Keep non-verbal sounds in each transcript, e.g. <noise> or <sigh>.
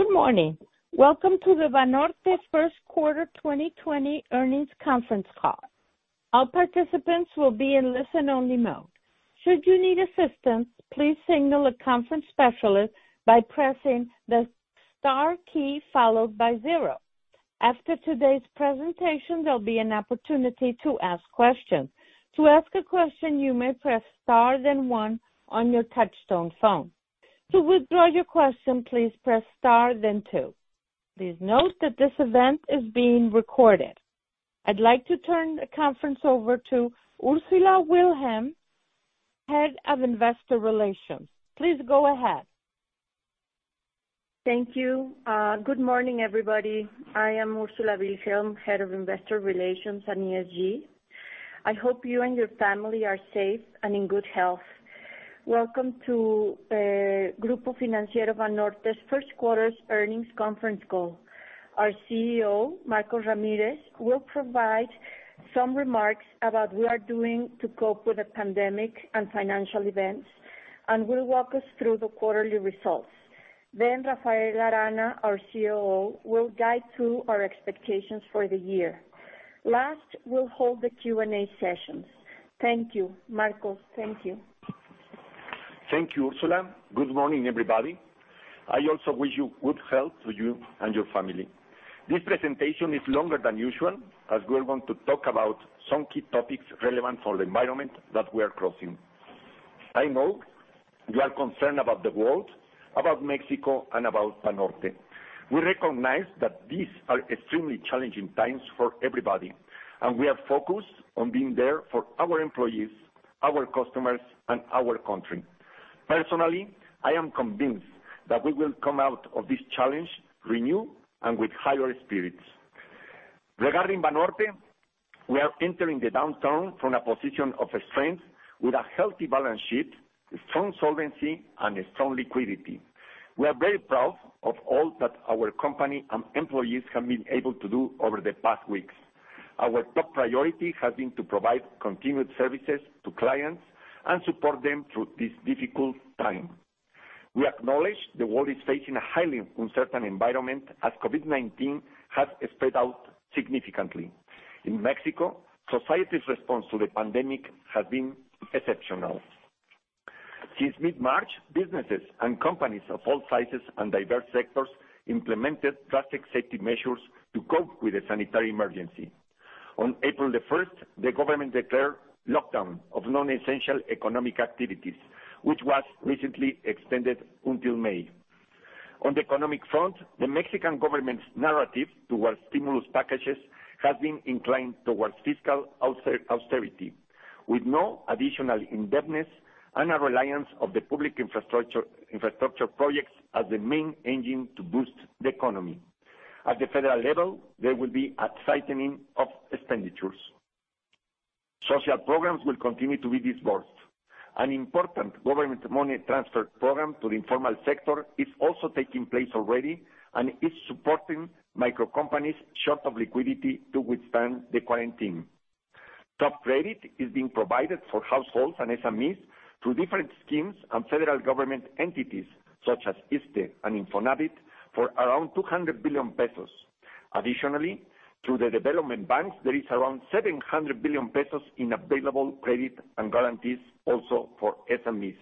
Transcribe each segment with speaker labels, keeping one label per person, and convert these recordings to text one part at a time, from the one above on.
Speaker 1: Good morning. Welcome to the Banorte First Quarter 2020 Earnings Conference Call. All participants will be in listen-only mode. Should you need assistance, please signal a conference specialist by pressing the star key, followed by zero. After today's presentation, there'll be an opportunity to ask questions. To ask a question, you may press star, then one on your touch-tone phone. To withdraw your question, please press star, then two. Please note that this event is being recorded. I'd like to turn the conference over to Ursula Wilhelm, Head of Investor Relations. Please go ahead.
Speaker 2: Thank you. Good morning, everybody. I am Ursula Wilhelm, Head of Investor Relations and ESG. I hope you and your family are safe and in good health. Welcome to Grupo Financiero Banorte's first quarter earnings conference call. Our CEO, Marcos Ramírez, will provide some remarks about what we are doing to cope with the pandemic and financial events and will walk us through the quarterly results. Rafael Arana, our COO, will guide through our expectations for the year. Last, we'll hold the Q&A sessions. Thank you. Marcos, thank you.
Speaker 3: Thank you, Ursula. Good morning, everybody. I also wish you good health to you and your family. This presentation is longer than usual, as we are going to talk about some key topics relevant for the environment that we are crossing. I know you are concerned about the world, about Mexico, and about Banorte. We recognize that these are extremely challenging times for everybody, and we are focused on being there for our employees, our customers, and our country. Personally, I am convinced that we will come out of this challenge renewed and with higher spirits. Regarding Banorte, we are entering the downturn from a position of strength with a healthy balance sheet, strong solvency, and strong liquidity. We are very proud of all that our company and employees have been able to do over the past weeks. Our top priority has been to provide continued services to clients and support them through this difficult time. We acknowledge the world is facing a highly uncertain environment as COVID-19 has spread out significantly. In Mexico, society's response to the pandemic has been exceptional. Since mid-March, businesses and companies of all sizes and diverse sectors implemented drastic safety measures to cope with the sanitary emergency. On April the 1st, the government declared lockdown of non-essential economic activities, which was recently extended until May. On the economic front, the Mexican government's narrative towards stimulus packages has been inclined towards fiscal austerity, with no additional indebtedness and a reliance of the public infrastructure projects as the main engine to boost the economy. At the federal level, there will be a tightening of expenditures. Social programs will continue to be disbursed. An important government money transfer program to the informal sector is also taking place already and is supporting micro companies short of liquidity to withstand the quarantine. Top credit is being provided for households and SMEs through different schemes and federal government entities, such as ISSSTE and INFONAVIT, for around 200 billion pesos. Additionally, through the development banks, there is around 700 billion pesos in available credit and guarantees also for SMEs.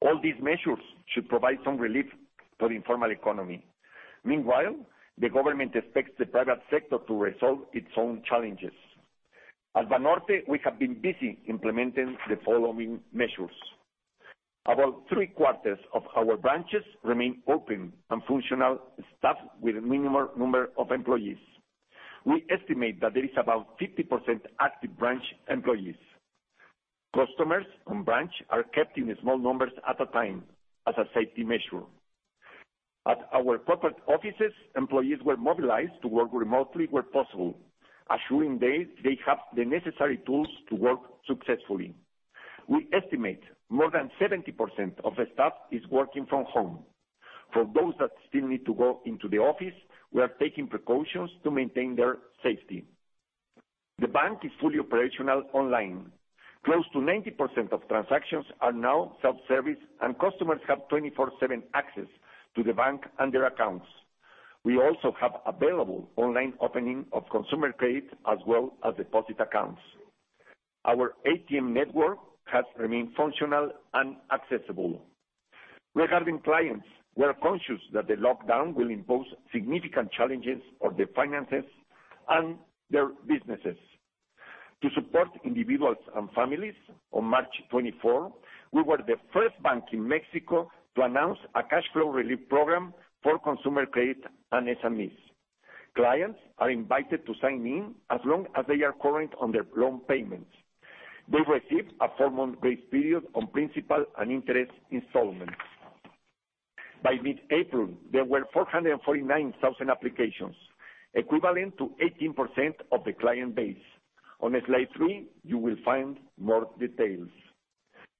Speaker 3: All these measures should provide some relief to the informal economy. Meanwhile, the government expects the private sector to resolve its own challenges. At Banorte, we have been busy implementing the following measures. About 3/4 of our branches remain open and functional, staffed with a minimal number of employees. We estimate that there is about 50% active branch employees. Customers on branch are kept in small numbers at a time as a safety measure. At our corporate offices, employees were mobilized to work remotely where possible, assuring they have the necessary tools to work successfully. We estimate more than 70% of the staff is working from home. For those that still need to go into the office, we are taking precautions to maintain their safety. The bank is fully operational online. Close to 90% of transactions are now self-service, and customers have 24/7 access to the bank and their accounts. We also have available online opening of consumer credit as well as deposit accounts. Our ATM network has remained functional and accessible. Regarding clients, we are conscious that the lockdown will impose significant challenges on their finances and their businesses. To support individuals and families, on March 24, we were the first bank in Mexico to announce a cash flow relief program for consumer credit and SMEs. Clients are invited to sign in as long as they are current on their loan payments. They receive a four-month grace period on principal and interest installments. By mid-April, there were 449,000 applications, equivalent to 18% of the client base. On slide three, you will find more details.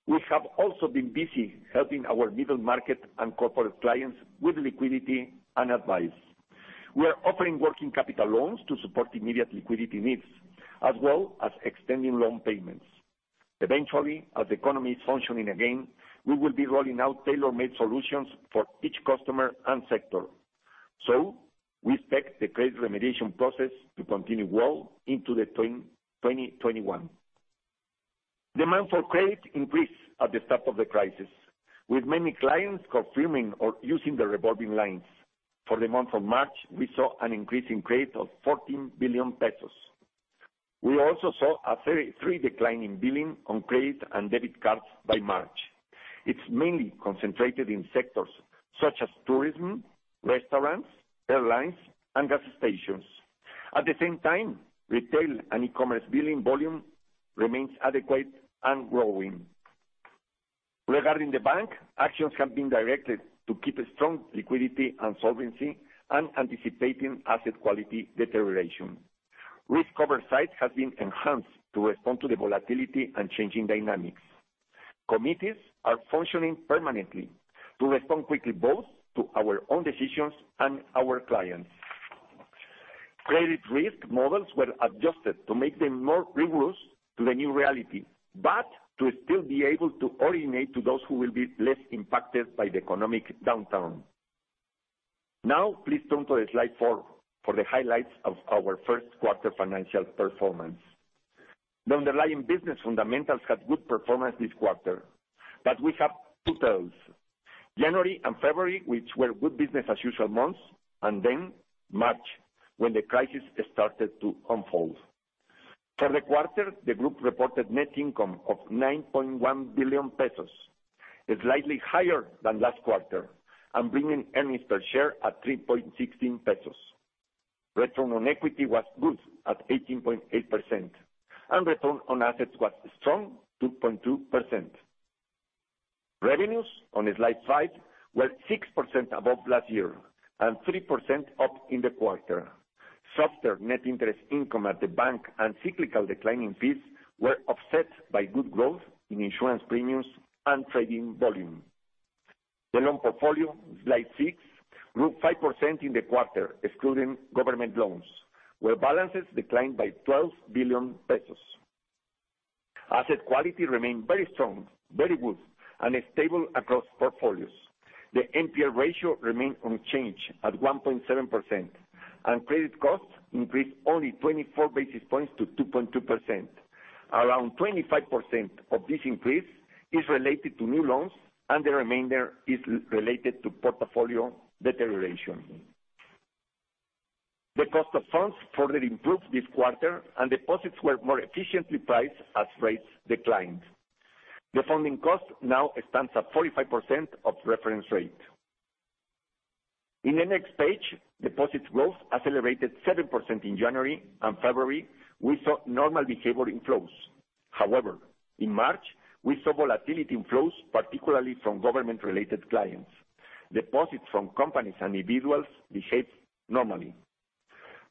Speaker 3: We have also been busy helping our middle market and corporate clients with liquidity and advice. We are offering working capital loans to support immediate liquidity needs, as well as extending loan payments. Eventually, as the economy is functioning again, we will be rolling out tailor-made solutions for each customer and sector. We expect the credit remediation process to continue well into 2021. Demand for credit increased at the start of the crisis, with many clients confirming or using the revolving lines. For the month of March, we saw an increase in credit of 14 billion pesos. We also saw a 3% decline in billing on credit and debit cards by March. It's mainly concentrated in sectors such as tourism, restaurants, airlines, and gas stations. Retail and e-commerce billing volume remains adequate and growing. Regarding the bank, actions have been directed to keep a strong liquidity and solvency and anticipating asset quality deterioration. Risk cover size has been enhanced to respond to the volatility and changing dynamics. Committees are functioning permanently to respond quickly, both to our own decisions and our clients. Credit risk models were adjusted to make them more rigorous to the new reality, to still be able to originate to those who will be less impacted by the economic downturn. Please turn to slide four for the highlights of our first quarter financial performance. The underlying business fundamentals had good performance this quarter, but we have two tails, January and February, which were good business as usual months, and then March, when the crisis started to unfold. For the quarter, the group reported net income of 9.1 billion pesos, slightly higher than last quarter, and bringing earnings per share at 3.16 pesos. Return on equity was good at 18.8%, and return on assets was strong, 2.2%. Revenues on slide five were 6% above last year and 3% up in the quarter. Softer net interest income at the bank and cyclical decline in fees were offset by good growth in insurance premiums and trading volume. The loan portfolio, slide six, grew 5% in the quarter, excluding government loans, where balances declined by 12 billion pesos. Asset quality remained very strong, very good, and stable across portfolios. The NPL ratio remained unchanged at 1.7%, and credit costs increased only 24 basis points to 2.2%. Around 25% of this increase is related to new loans, and the remainder is related to portfolio deterioration. The cost of funds further improved this quarter, and deposits were more efficiently priced as rates declined. The funding cost now stands at 45% of reference rate. In the next page, deposits growth accelerated 7% in January and February, we saw normal behavior inflows. However, in March, we saw volatility inflows, particularly from government-related clients. Deposits from companies and individuals behaved normally.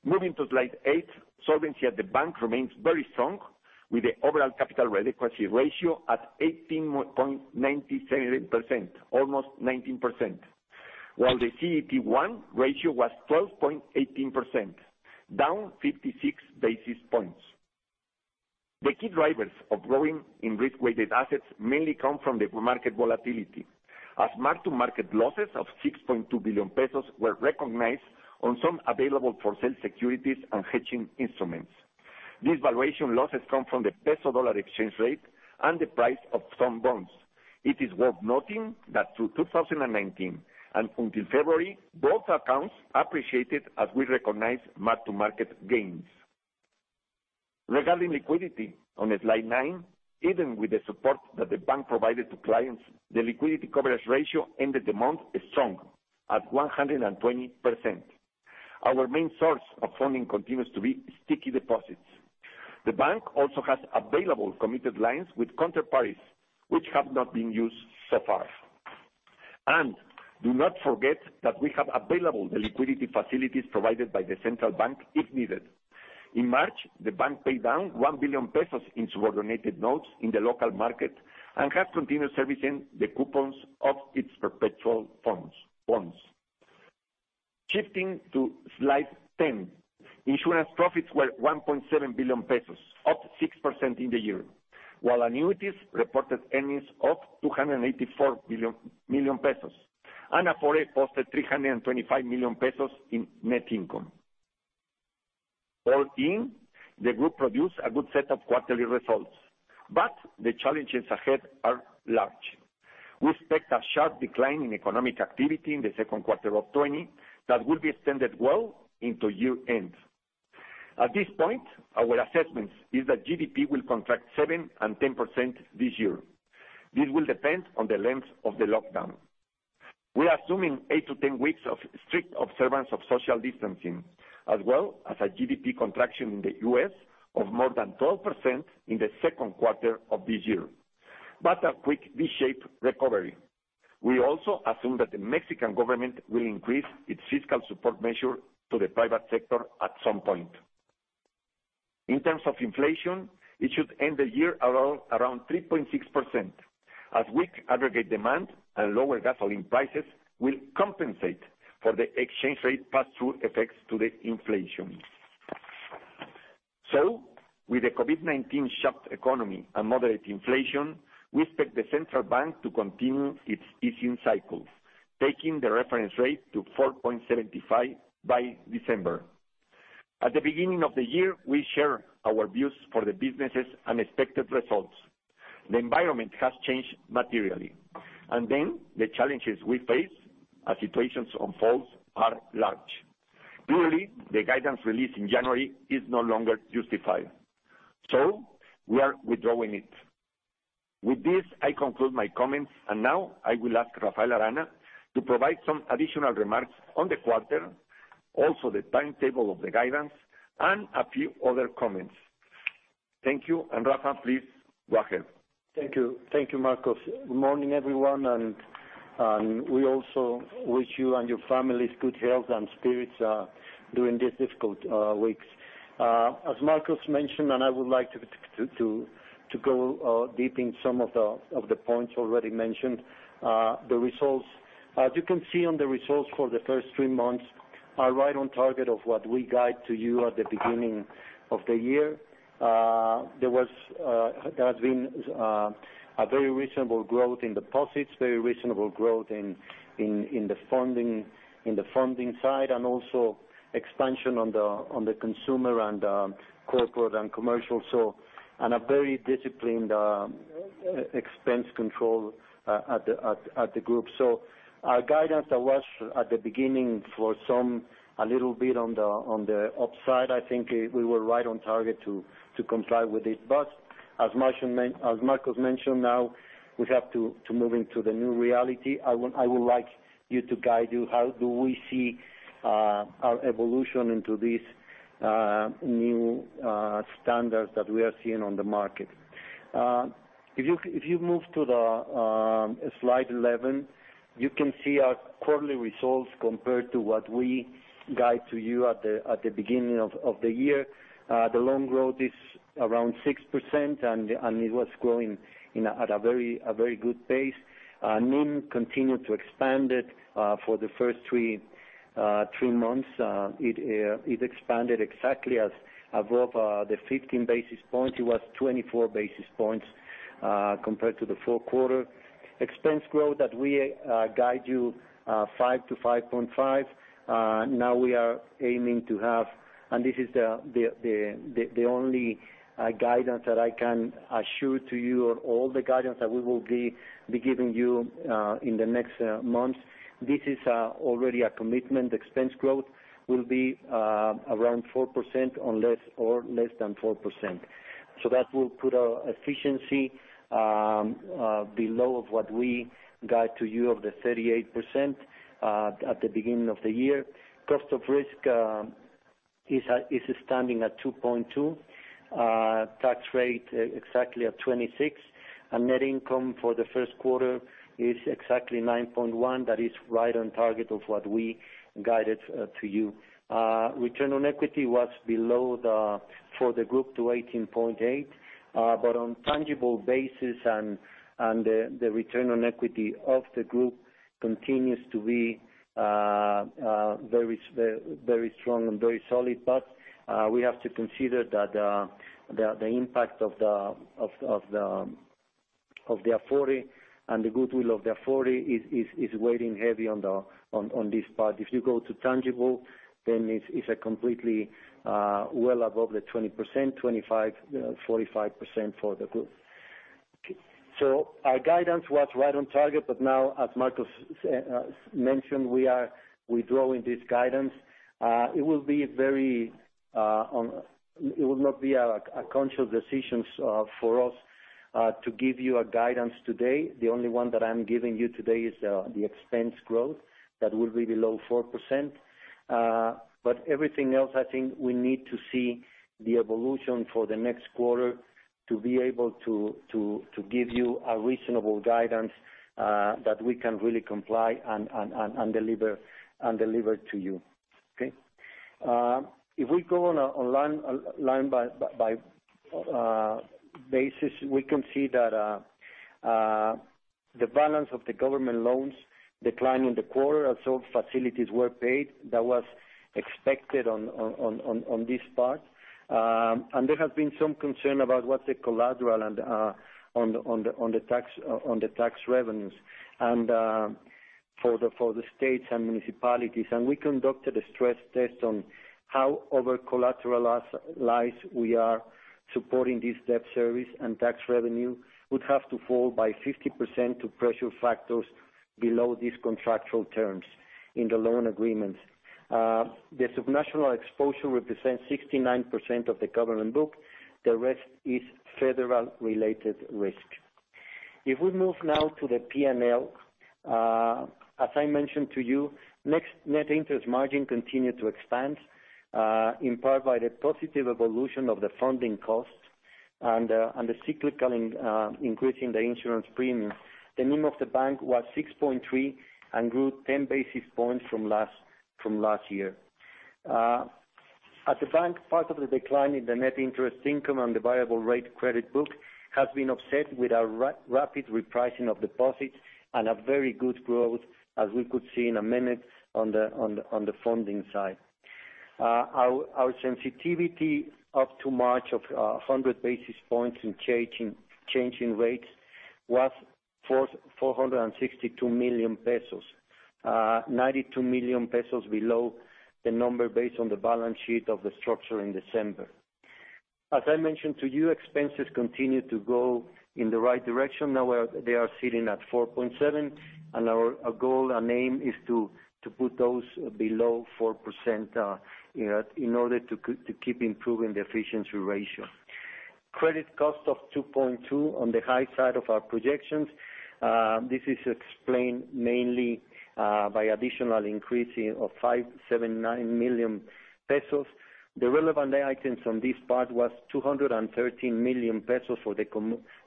Speaker 3: Moving to slide eight, solvency at the bank remains very strong with the overall capital adequacy ratio at 18.97%, almost 19%, while the CET1 ratio was 12.18%, down 56 basis points. The key drivers of growing in risk-weighted assets mainly come from the market volatility, as mark-to-market losses of 6.2 billion pesos were recognized on some available-for-sale securities and hedging instruments. These valuation losses come from the peso-dollar exchange rate and the price of some bonds. It is worth noting that through 2019 and until February, both accounts appreciated as we recognize mark-to-market gains. Regarding liquidity on slide nine, even with the support that the bank provided to clients, the liquidity coverage ratio ended the month strong at 120%. Our main source of funding continues to be sticky deposits. The bank also has available committed lines with counterparties, which have not been used so far. Do not forget that we have available the liquidity facilities provided by the central bank if needed. In March, the bank paid down 1 billion pesos in subordinated notes in the local market and has continued servicing the coupons of its perpetual bonds. Shifting to slide 10, insurance profits were 1.7 billion pesos, up 6% in the year, while annuities reported earnings of 284 million pesos, and Afore posted 325 million pesos in net income. All in, the group produced a good set of quarterly results, but the challenges ahead are large. We expect a sharp decline in economic activity in the second quarter of 2020 that will be extended well into year-end. At this point, our assessment is that GDP will contract 7% and 10% this year. This will depend on the length of the lockdown. We are assuming 8-10 weeks of strict observance of social distancing, as well as a GDP contraction in the U.S. of more than 12% in the second quarter of this year, but a quick V-shaped recovery. We also assume that the Mexican government will increase its fiscal support measure to the private sector at some point. In terms of inflation, it should end the year around 3.6%, as weak aggregate demand and lower gasoline prices will compensate for the exchange rate pass-through [FX] to the inflation. With the COVID-19-shut economy and moderate inflation, we expect the central bank to continue its easing cycles, taking the reference rate to 4.75% by December. At the beginning of the year, we share our views for the businesses and expected results. The environment has changed materially. The challenges we face as situations unfold are large. Clearly, the guidance released in January is no longer justified. We are withdrawing it. With this, I conclude my comments. Now I will ask Rafael Arana to provide some additional remarks on the quarter, also the timetable of the guidance and a few other comments. Thank you, and Rafa, please go ahead.
Speaker 4: Thank you, Marcos. Good morning, everyone, and we also wish you and your families good health and spirits during these difficult weeks. As Marcos mentioned, I would like to go deep in some of the points already mentioned. As you can see on the results for the first three months, are right on target of what we guide to you at the beginning of the year. There has been a very reasonable growth in deposits, very reasonable growth in the funding side, and also expansion on the consumer and corporate and commercial side. A very disciplined expense control at the group. Our guidance that was at the beginning for some, a little bit on the upside, I think we were right on target to comply with it. As Marcos mentioned, now we have to move into the new reality. I would like you to guide you how do we see our evolution into these new standards that we are seeing on the market. If you move to slide 11, you can see our quarterly results compared to what we guide to you at the beginning of the year. The loan growth is around 6%. It was growing at a very good pace. NIM continued to expand it, for the first three months. It expanded exactly above the 15 basis points. It was 24 basis points compared to the fourth quarter. Expense growth that we guide you, 5%-5.5%. Now we are aiming to have. This is the only guidance that I can assure to you of all the guidance that we will be giving you in the next months. This is already a commitment. Expense growth will be around 4% or less than 4%. That will put our efficiency below of what we guide to you of the 38% at the beginning of the year. Cost of risk is standing at 2.2%. Tax rate exactly at 26%. Net income for the first quarter is exactly 9.1 billion. That is right on target of what we guided to you. Return on equity was below for the group to 18.8%. On tangible basis, and the return on equity of the group continues to be very strong and very solid, but we have to consider that the impact of the Afore and the goodwill of the Afore is weighing heavy on this part. If you go to tangible, then it's a completely well above the 20%, 25%, 45% for the group. Our guidance was right on target, but now, as Marcos mentioned, we are withdrawing this guidance. It would not be a conscious decision for us to give you a guidance today. The only one that I am giving you today is the expense growth, that will be below 4%. Everything else, I think we need to see the evolution for the next quarter to be able to give you a reasonable guidance that we can really comply and deliver to you. Okay? If we go on a line-by-line basis, we can see that the balance of the government loans declined in the quarter as all facilities were paid. That was expected on this part. There has been some concern about what the collateral on the tax revenues for the states and municipalities. We conducted a stress test on how overcollateralized we are supporting this debt service, and tax revenue would have to fall by 50% to pressure factors below these contractual terms in the loan agreements. The sub-national exposure represents 69% of the government book. The rest is federal-related risk. If we move now to the P&L, as I mentioned to you, net interest margin continued to expand, in part by the positive evolution of the funding costs and the cyclical increase in the insurance premiums. The NIM of the bank was 6.3% and grew 10 basis points from last year. At the bank, part of the decline in the net interest income and the variable rate credit book has been offset with a rapid repricing of deposits and a very good growth, as we could see in a minute on the funding side. Our sensitivity up to March of 100 basis points in change in rates was 462 million pesos, 92 million pesos below the number based on the balance sheet of the structure in December. As I mentioned to you, expenses continue to go in the right direction. Now they are sitting at 4.7%, and our goal and aim is to put those below 4% in order to keep improving the efficiency ratio. Credit cost of 2.2% on the high side of our projections. This is explained mainly by additional increasing of 579 million pesos. The relevant items from this part was 213 million pesos for the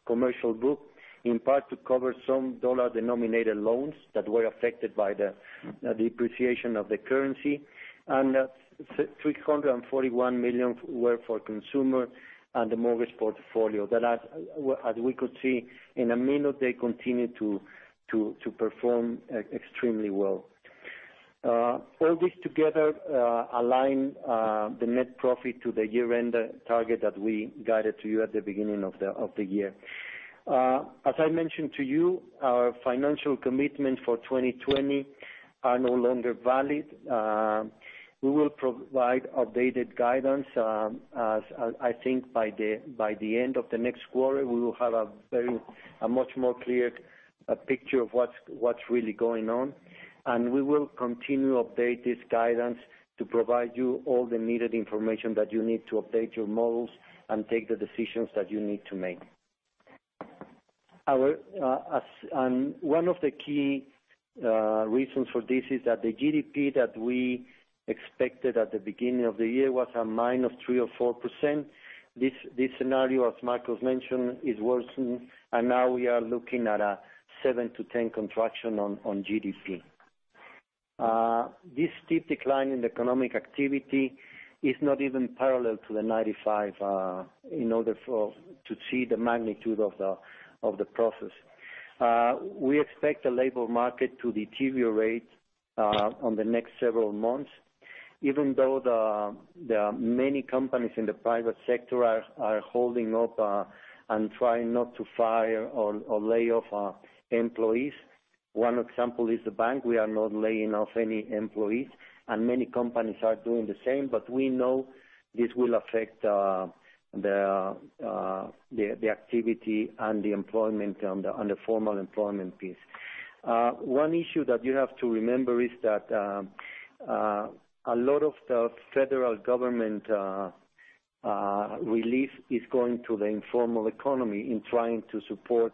Speaker 4: commercial book, in part to cover some dollar-denominated loans that were affected by the depreciation of the currency. 341 million were for consumer and the mortgage portfolio. As we could see in a minute, they continue to perform extremely well. All this together align the net profit to the year-end target that we guided to you at the beginning of the year. As I mentioned to you, our financial commitments for 2020 are no longer valid. We will provide updated guidance. I think by the end of the next quarter, we will have a much more clear picture of what's really going on, and we will continue to update this guidance to provide you all the needed information that you need to update your models and take the decisions that you need to make. One of the key reasons for this is that the GDP that we expected at the beginning of the year was a -3% or 4%. This scenario, as Marcos mentioned, is worsening, and now we are looking at a 7%-10% contraction on GDP. This steep decline in economic activity is not even parallel to the [1995] in order to see the magnitude of the process. We expect the labor market to deteriorate on the next several months, even though there are many companies in the private sector are holding up and trying not to fire or lay off employees. One example is the bank. We are not laying off any employees. Many companies are doing the same. We know this will affect the activity and the employment on the formal employment piece. One issue that you have to remember is that a lot of the federal government relief is going to the informal economy in trying to support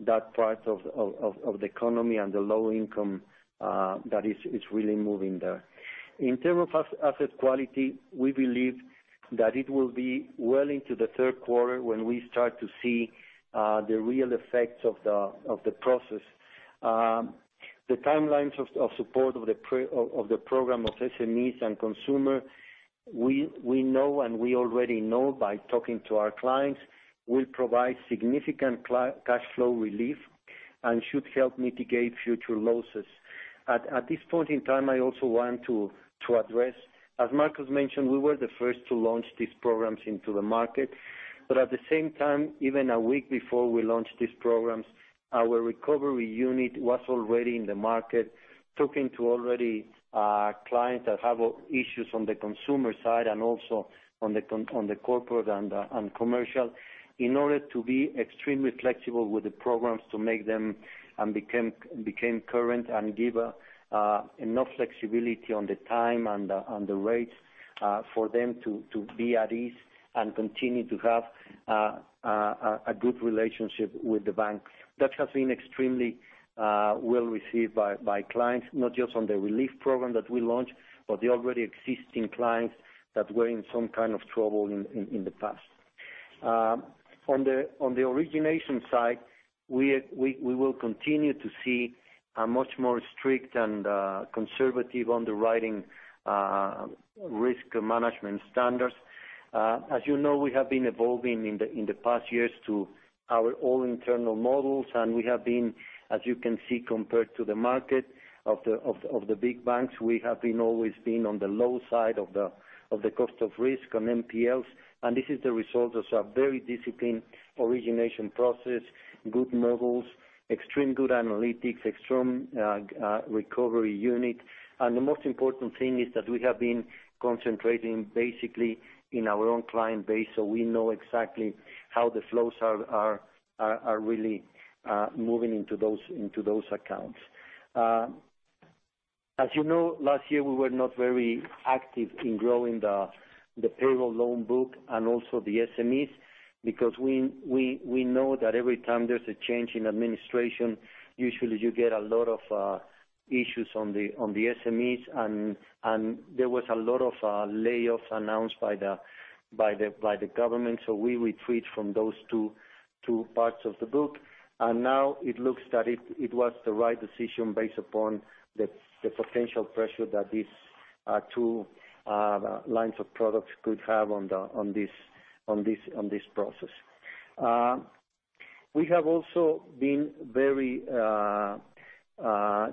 Speaker 4: that part of the economy and the low income that is really moving there. In terms of asset quality, we believe that it will be well into the third quarter when we start to see the real effects of the process. The timelines of support of the program of SMEs and consumer, we know and we already know by talking to our clients, will provide significant cash flow relief and should help mitigate future losses. At this point in time, I also want to address, as Marcos mentioned, we were the first to launch these programs into the market. At the same time, even a week before we launched these programs, our recovery unit was already in the market, talking to already clients that have issues on the consumer side and also on the corporate and commercial, in order to be extremely flexible with the programs to make them and became current and give enough flexibility on the time and the rates for them to be at ease and continue to have a good relationship with the bank. That has been extremely well received by clients, not just on the relief program that we launched, but the already existing clients that were in some kind of trouble in the past. On the origination side, we will continue to see a much more strict and conservative underwriting risk management standards. As you know, we have been evolving in the past years to our own internal models, and we have been, as you can see, compared to the market of the big banks, we have always been on the low side of the cost of risk on NPLs, and this is the result of some very disciplined origination process, good models, extreme good analytics, extreme recovery unit. The most important thing is that we have been concentrating basically in our own client base, so we know exactly how the flows are really moving into those accounts. As you know, last year we were not very active in growing the payroll loan book and also the SMEs, because we know that every time there's a change in administration, usually you get a lot of issues on the SMEs, and there was a lot of layoffs announced by the government. We retreat from those two parts of the book. Now it looks that it was the right decision based upon the potential pressure that these two lines of products could have on this process. We have also been very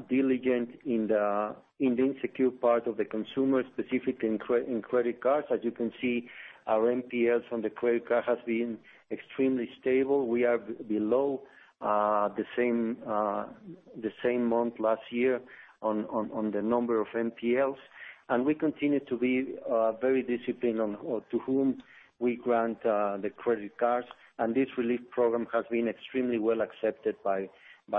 Speaker 4: diligent in the insecure part of the consumer, specifically in credit cards. As you can see, our NPLs on the credit card has been extremely stable. We are below the same month last year on the number of NPLs. We continue to be very disciplined on to whom we grant the credit cards. This relief program has been extremely well accepted by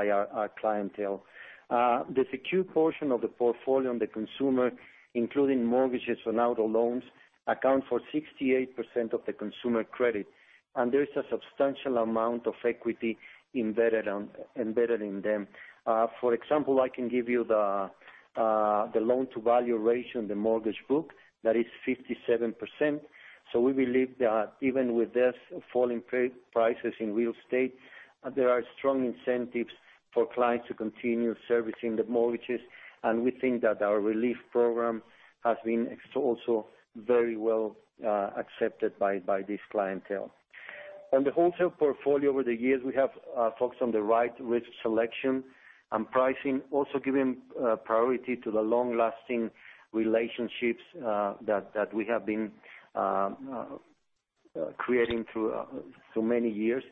Speaker 4: our clientele. The secured portion of the portfolio on the consumer, including mortgages and auto loans, account for 68% of the consumer credit, and there is a substantial amount of equity embedded in them. For example, I can give you the loan-to-value ratio on the mortgage book. That is 57%. We believe that even with this fall in prices in real estate, there are strong incentives for clients to continue servicing the mortgages, and we think that our relief program has been also very well accepted by this clientele. On the wholesale portfolio over the years, we have focused on the right risk selection and pricing, also giving priority to the long-lasting relationships that we have been creating through so many years.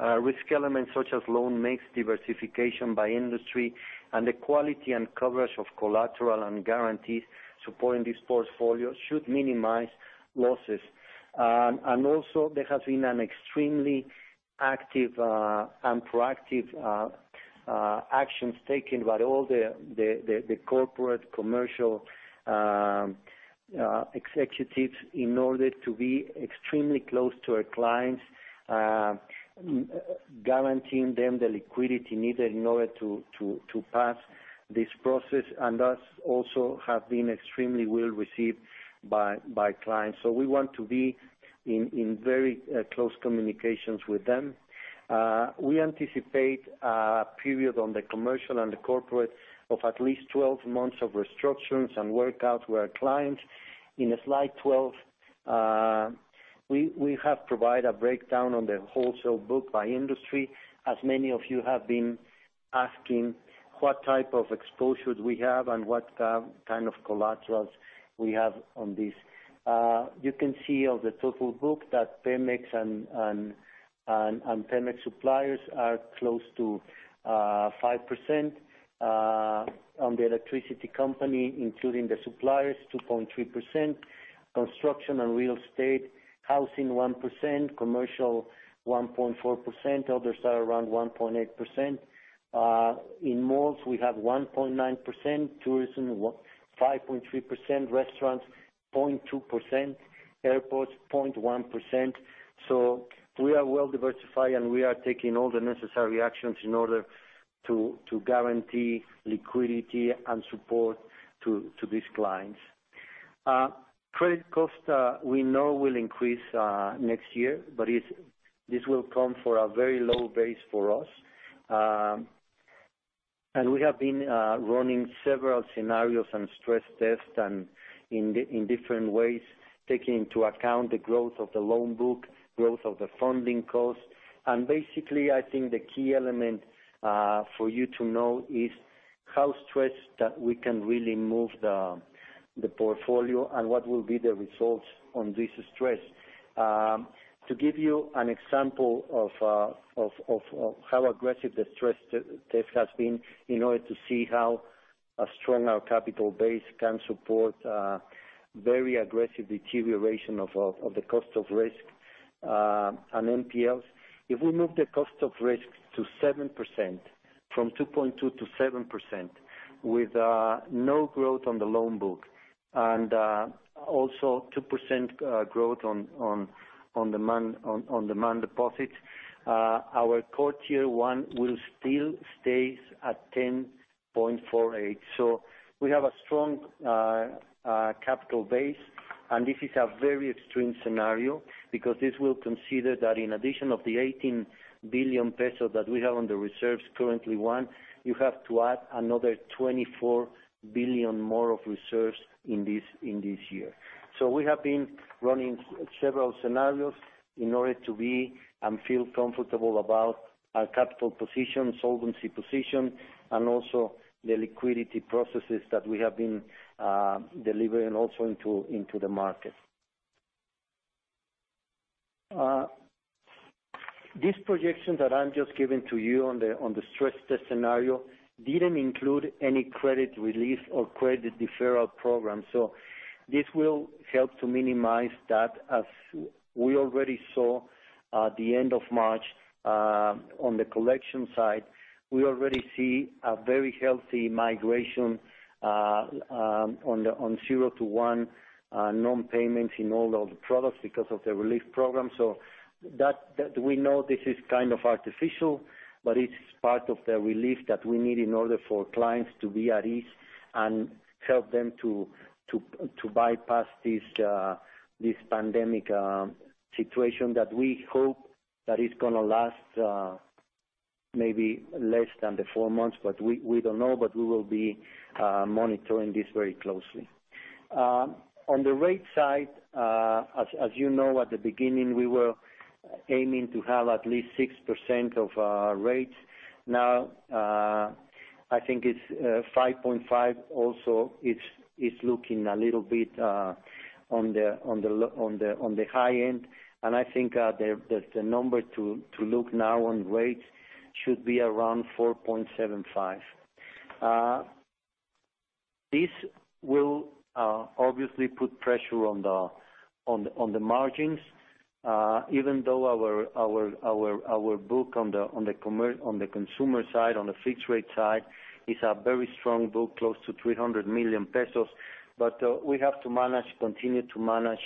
Speaker 4: Risk elements such as loan mix, diversification by industry, and the quality and coverage of collateral and guarantees supporting this portfolio should minimize losses. Also, there has been an extremely active and proactive actions taken by all the corporate commercial executives in order to be extremely close to our clients, guaranteeing them the liquidity needed in order to pass this process, and that also have been extremely well received by clients. We want to be in very close communications with them. We anticipate a period on the commercial and the corporate of at least 12 months of restructurings and workouts with our clients. In slide 12, we have provided a breakdown on the wholesale book by industry, as many of you have been asking what type of exposures we have and what kind of collaterals we have on this. You can see of the total book that PEMEX and PEMEX suppliers are close to 5%, on the electricity company, including the suppliers, 2.3%, construction and real estate, housing, 1%, commercial, 1.4%, others are around 1.8%. In malls, we have 1.9%, tourism, 5.3%, restaurants, 0.2%, airports, 0.1%. We are well-diversified, and we are taking all the necessary actions in order to guarantee liquidity and support to these clients. Credit cost, we know will increase next year, but this will come for a very low base for us. We have been running several scenarios and stress tests and in different ways, taking into account the growth of the loan book, growth of the funding cost. Basically, I think the key element for you to know is how stressed that we can really move the portfolio and what will be the results on this stress. To give you an example of how aggressive the stress test has been in order to see how strong our capital base can support very aggressive deterioration of the cost of risk, and NPLs. If we move the cost of risk to 7%, from 2.2% -7%, with no growth on the loan book, and also 2% growth on demand deposits, our Core Tier 1 will still stay at 10.48%. We have a strong capital base, and this is a very extreme scenario because this will consider that in addition of the 18 billion pesos that we have on the reserves currently [won], you have to add another 24 billion more of reserves in this year. We have been running several scenarios in order to be and feel comfortable about our capital position, solvency position, and also the liquidity processes that we have been delivering also into the market. This projection that I'm just giving to you on the stress test scenario didn't include any credit relief or credit deferral program. This will help to minimize that. As we already saw at the end of March, on the collection side, we already see a very healthy migration on zero to one non-payments in all of the products because of the relief program. We know this is kind of artificial, but it's part of the relief that we need in order for clients to be at ease and help them to bypass this pandemic situation that we hope is going to last maybe less than the four months. We don't know, but we will be monitoring this very closely. On the rate side, as you know, at the beginning, we were aiming to have at least 6% of our rates. Now, I think it's 5.5%. Also, it's looking a little bit on the high end. I think the number to look now on rates should be around 4.75%. This will obviously put pressure on the margins, even though our book on the consumer side, on the fixed rate side, is a very strong book, close to 300 million pesos. We have to continue to manage,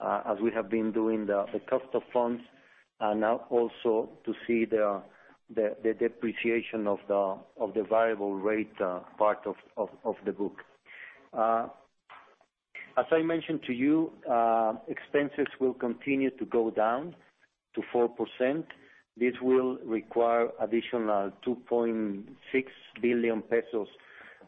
Speaker 4: as we have been doing, the cost of funds, and now also to see the depreciation of the variable rate part of the book. As I mentioned to you, expenses will continue to go down to 4%. This will require additional 2.6 billion pesos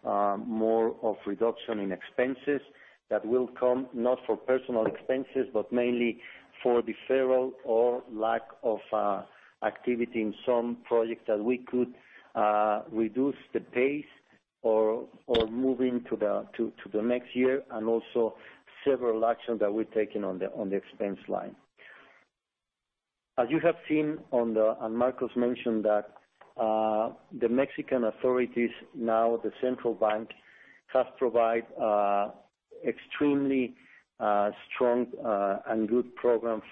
Speaker 4: more of reduction in expenses that will come not for personal expenses, but mainly for deferral or lack of activity in some projects that we could reduce the pace or move into the next year, also several actions that we're taking on the expense line. As you have seen, Marcos mentioned that the Mexican authorities, now the central bank, has provided extremely strong and good program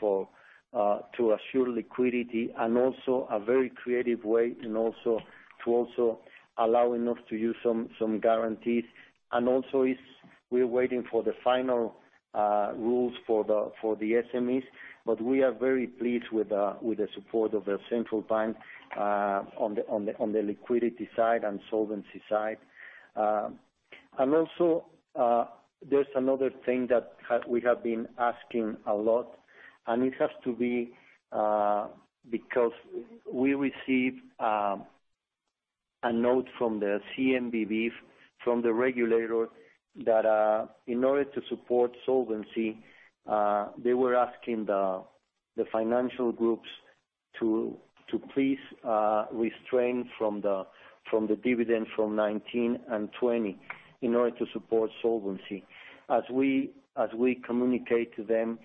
Speaker 4: to assure liquidity, and also a very creative way, and to also allow enough to use some guarantees. Also, we're waiting for the final rules for the SMEs. We are very pleased with the support of the central bank on the liquidity side and solvency side. Also, there's another thing that we have been asking a lot, and it has to be because we received a note from the CNBV, from the regulator, that in order to support solvency, they were asking the financial groups to please restrain from the dividend from 2019 and 2020 in order to support solvency. As we communicate to them,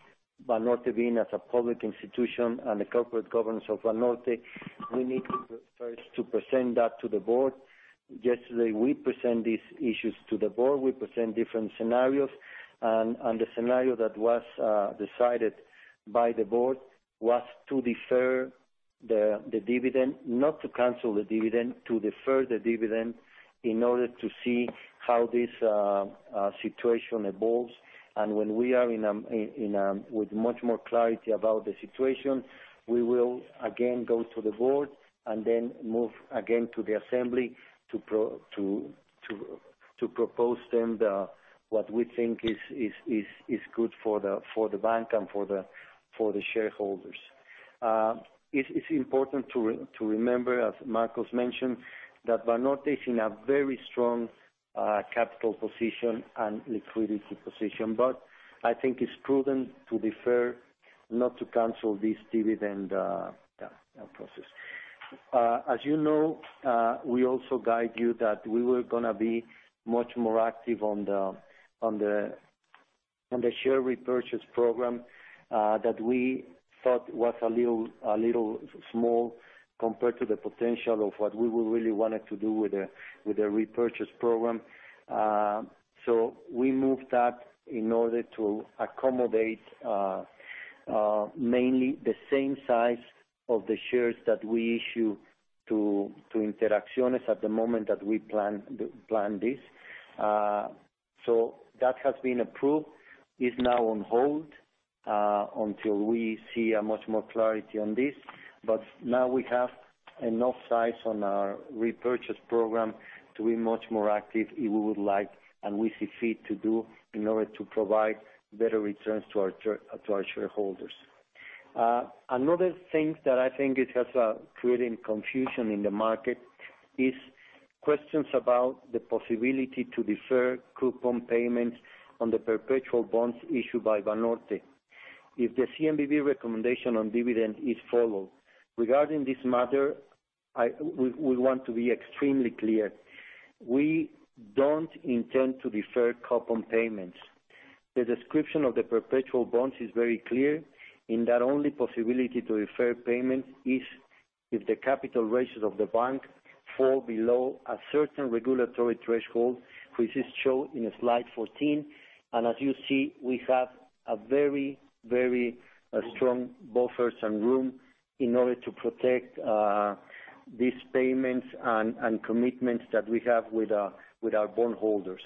Speaker 4: Banorte being as a public institution and the corporate governance of Banorte, we need to first present that to the board. Yesterday, we presented these issues to the board. We presented different scenarios. The scenario that was decided by the board was to defer the dividend, not to cancel the dividend, to defer the dividend in order to see how this situation evolves. When we are with much more clarity about the situation, we will again go to the board and then move again to the assembly to propose to them what we think is good for the bank and for the shareholders. It's important to remember, as Marcos mentioned, that Banorte is in a very strong capital position and liquidity position. I think it's prudent to defer, not to cancel this dividend process. As you know, we also guide you that we were going to be much more active on the share repurchase program that we thought was a little small compared to the potential of what we really wanted to do with the repurchase program. We moved that in order to accommodate mainly the same size of the shares that we issue to Interacciones at the moment that we planned this. That has been approved. It's now on hold until we see much more clarity on this. Now we have enough size on our repurchase program to be much more active if we would like, and we see fit to do, in order to provide better returns to our shareholders. Another thing that I think it has created confusion in the market is questions about the possibility to defer coupon payments on the perpetual bonds issued by Banorte if the CNBV recommendation on dividend is followed. Regarding this matter, we want to be extremely clear. We don't intend to defer coupon payments. The description of the perpetual bonds is very clear in that only possibility to defer payment is if the capital ratios of the bank fall below a certain regulatory threshold, which is shown in slide 14. As you see, we have a very strong buffers and room in order to protect these payments and commitments that we have with our bondholders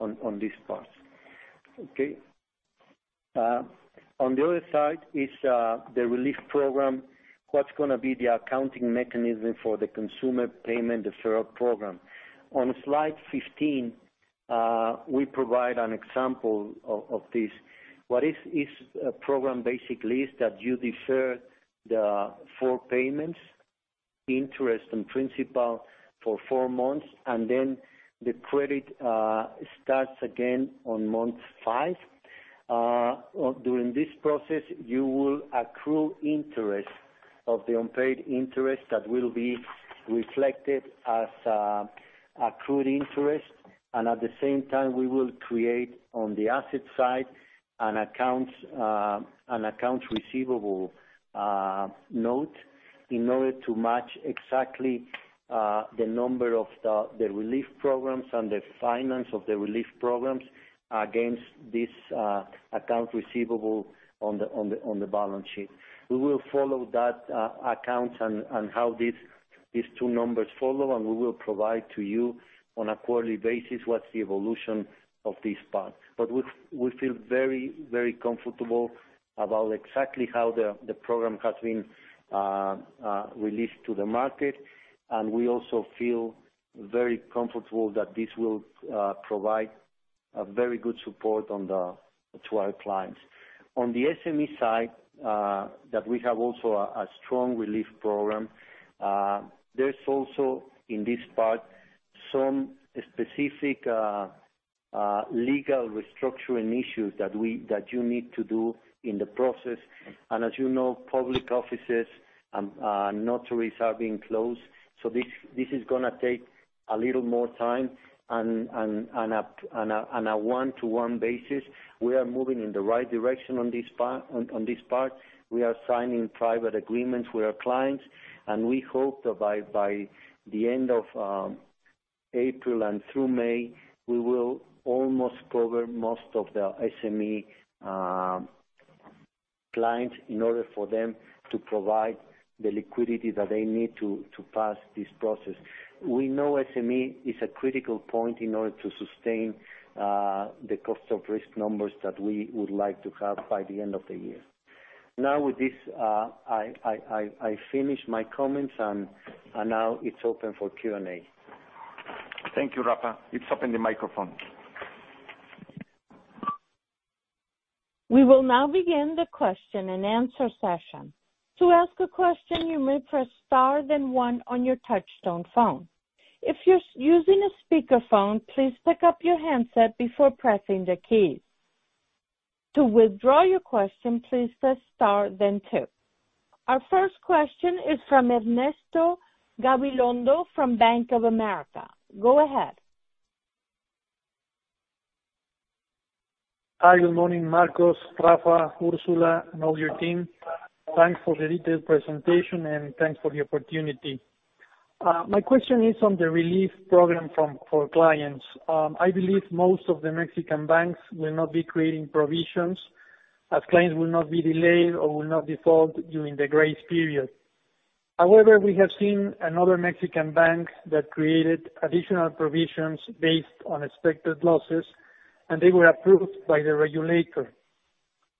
Speaker 4: on this part. Okay. On the other side is the relief program. What's going to be the accounting mechanism for the consumer payment deferral program? On slide 15, we provide an example of this. What is a program basically is that you defer the four payments, interest and principal, for four months, and then the credit starts again on month five. During this process, you will accrue interest of the unpaid interest that will be reflected as accrued interest. At the same time, we will create, on the asset side, an accounts receivable note in order to match exactly the number of the relief programs and the finance of the relief programs against this account receivable on the balance sheet. We will follow that account and how these two numbers follow, and we will provide to you on a quarterly basis what's the evolution of this part. We feel very comfortable about exactly how the program has been released to the market, and we also feel very comfortable that this will provide a very good support to our clients. On the SME side, that we have also a strong relief program. There's also, in this part, some specific legal restructuring issues that you need to do in the process. As you know, public offices and notaries are being closed, this is going to take a little more time. On a one-to-one basis, we are moving in the right direction on this part. We are signing private agreements with our clients, and we hope that by the end of April and through May, we will almost cover most of the SME clients in order for them to provide the liquidity that they need to pass this process. We know SME is a critical point in order to sustain the cost of risk numbers that we would like to have by the end of the year. With this, I finish my comments, and now it's open for Q&A.
Speaker 3: Thank you, Rafa. Let's open the microphone.
Speaker 1: We will now begin the question-and-answer session. To ask a question, you may press star then one on your touchtone phone. If you're using a speakerphone, please pick up your handset before pressing the keys. To withdraw your question, please press star then two. Our first question is from Ernesto Gabilondo from Bank of America. Go ahead.
Speaker 5: Hi. Good morning, Marcos, Rafa, Ursula, and all your team. Thanks for the detailed presentation, thanks for the opportunity. My question is on the relief program for clients. I believe most of the Mexican banks will not be creating provisions as clients will not be delayed or will not default during the grace period. However, we have seen another Mexican bank that created additional provisions based on expected losses, and they were approved by the regulator.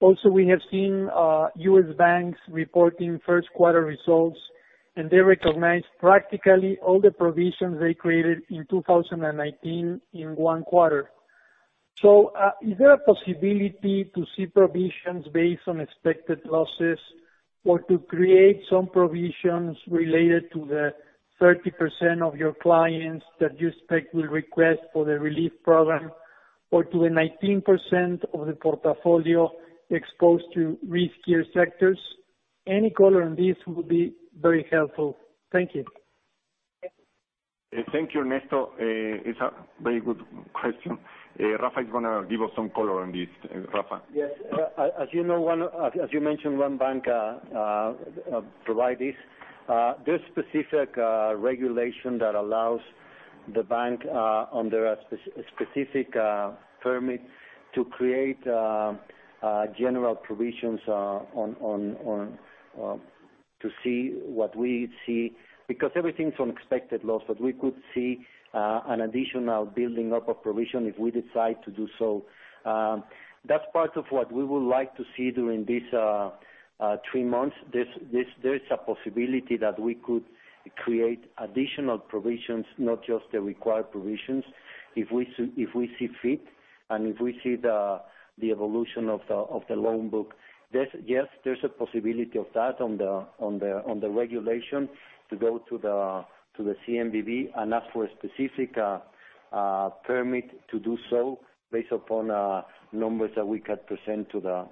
Speaker 5: Also, we have seen U.S. banks reporting first quarter results, and they recognized practically all the provisions they created in 2019 in one quarter. Is there a possibility to see provisions based on expected losses or to create some provisions related to the 30% of your clients that you expect will request for the relief program or to the 19% of the portfolio exposed to riskier sectors? Any color on this would be very helpful. Thank you.
Speaker 3: Thank you, Ernesto. It's a very good question. Rafa is going to give us some color on this. Rafa?
Speaker 4: Yes. As you mentioned, one bank provide this. There's specific regulation that allows the bank, under a specific permit, to create general provisions to see what we see. Everything is on expected loss, but we could see an additional building up of provision if we decide to do so. That's part of what we would like to see during these three months. There is a possibility that we could create additional provisions, not just the required provisions, if we see fit and if we see the evolution of the loan book. Yes, there's a possibility of that on the regulation to go to the CNBV and ask for a specific permit to do so based upon numbers that we could present to the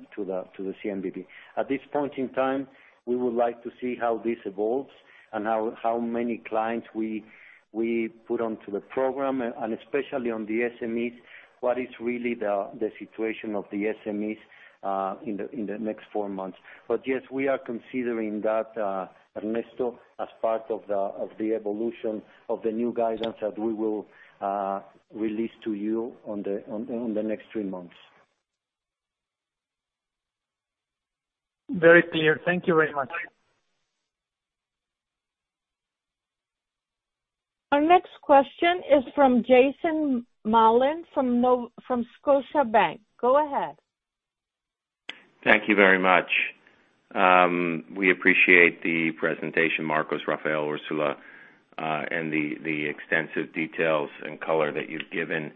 Speaker 4: CNBV. At this point in time, we would like to see how this evolves and how many clients we put onto the program, and especially on the SMEs, what is really the situation of the SMEs in the next four months. Yes, we are considering that, Ernesto, as part of the evolution of the new guidance that we will release to you in the next three months.
Speaker 5: Very clear. Thank you very much.
Speaker 1: Our next question is from Jason Mollin from Scotiabank. Go ahead.
Speaker 6: Thank you very much. We appreciate the presentation, Marcos, Rafael, Ursula, and the extensive details and color that you've given.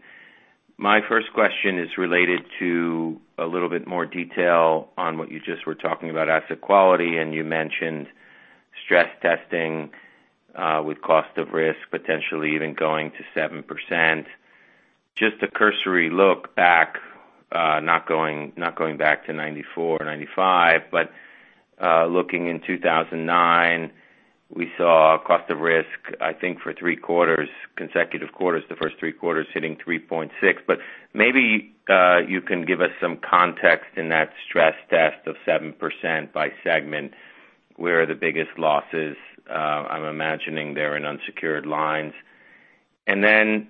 Speaker 6: My first question is related to a little bit more detail on what you just were talking about, asset quality, and you mentioned stress testing, with cost of risk potentially even going to 7%. Just a cursory look back, not going back to 1994 or 1995, but looking in 2009, we saw cost of risk, I think, for three consecutive quarters, the first three quarters hitting 3.6%. Maybe you can give us some context in that stress test of 7% by segment, where are the biggest losses? I'm imagining they're in unsecured lines. Then,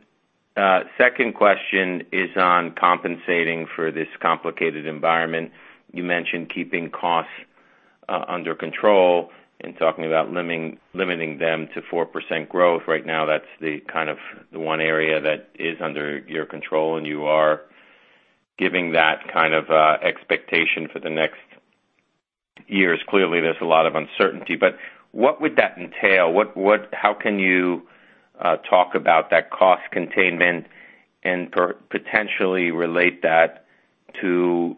Speaker 6: second question is on compensating for this complicated environment. You mentioned keeping costs under control and talking about limiting them to 4% growth. Right now, that's the one area that is under your control, and you are giving that kind of expectation for the next years. Clearly, there's a lot of uncertainty. What would that entail? How can you talk about that cost containment and potentially relate that to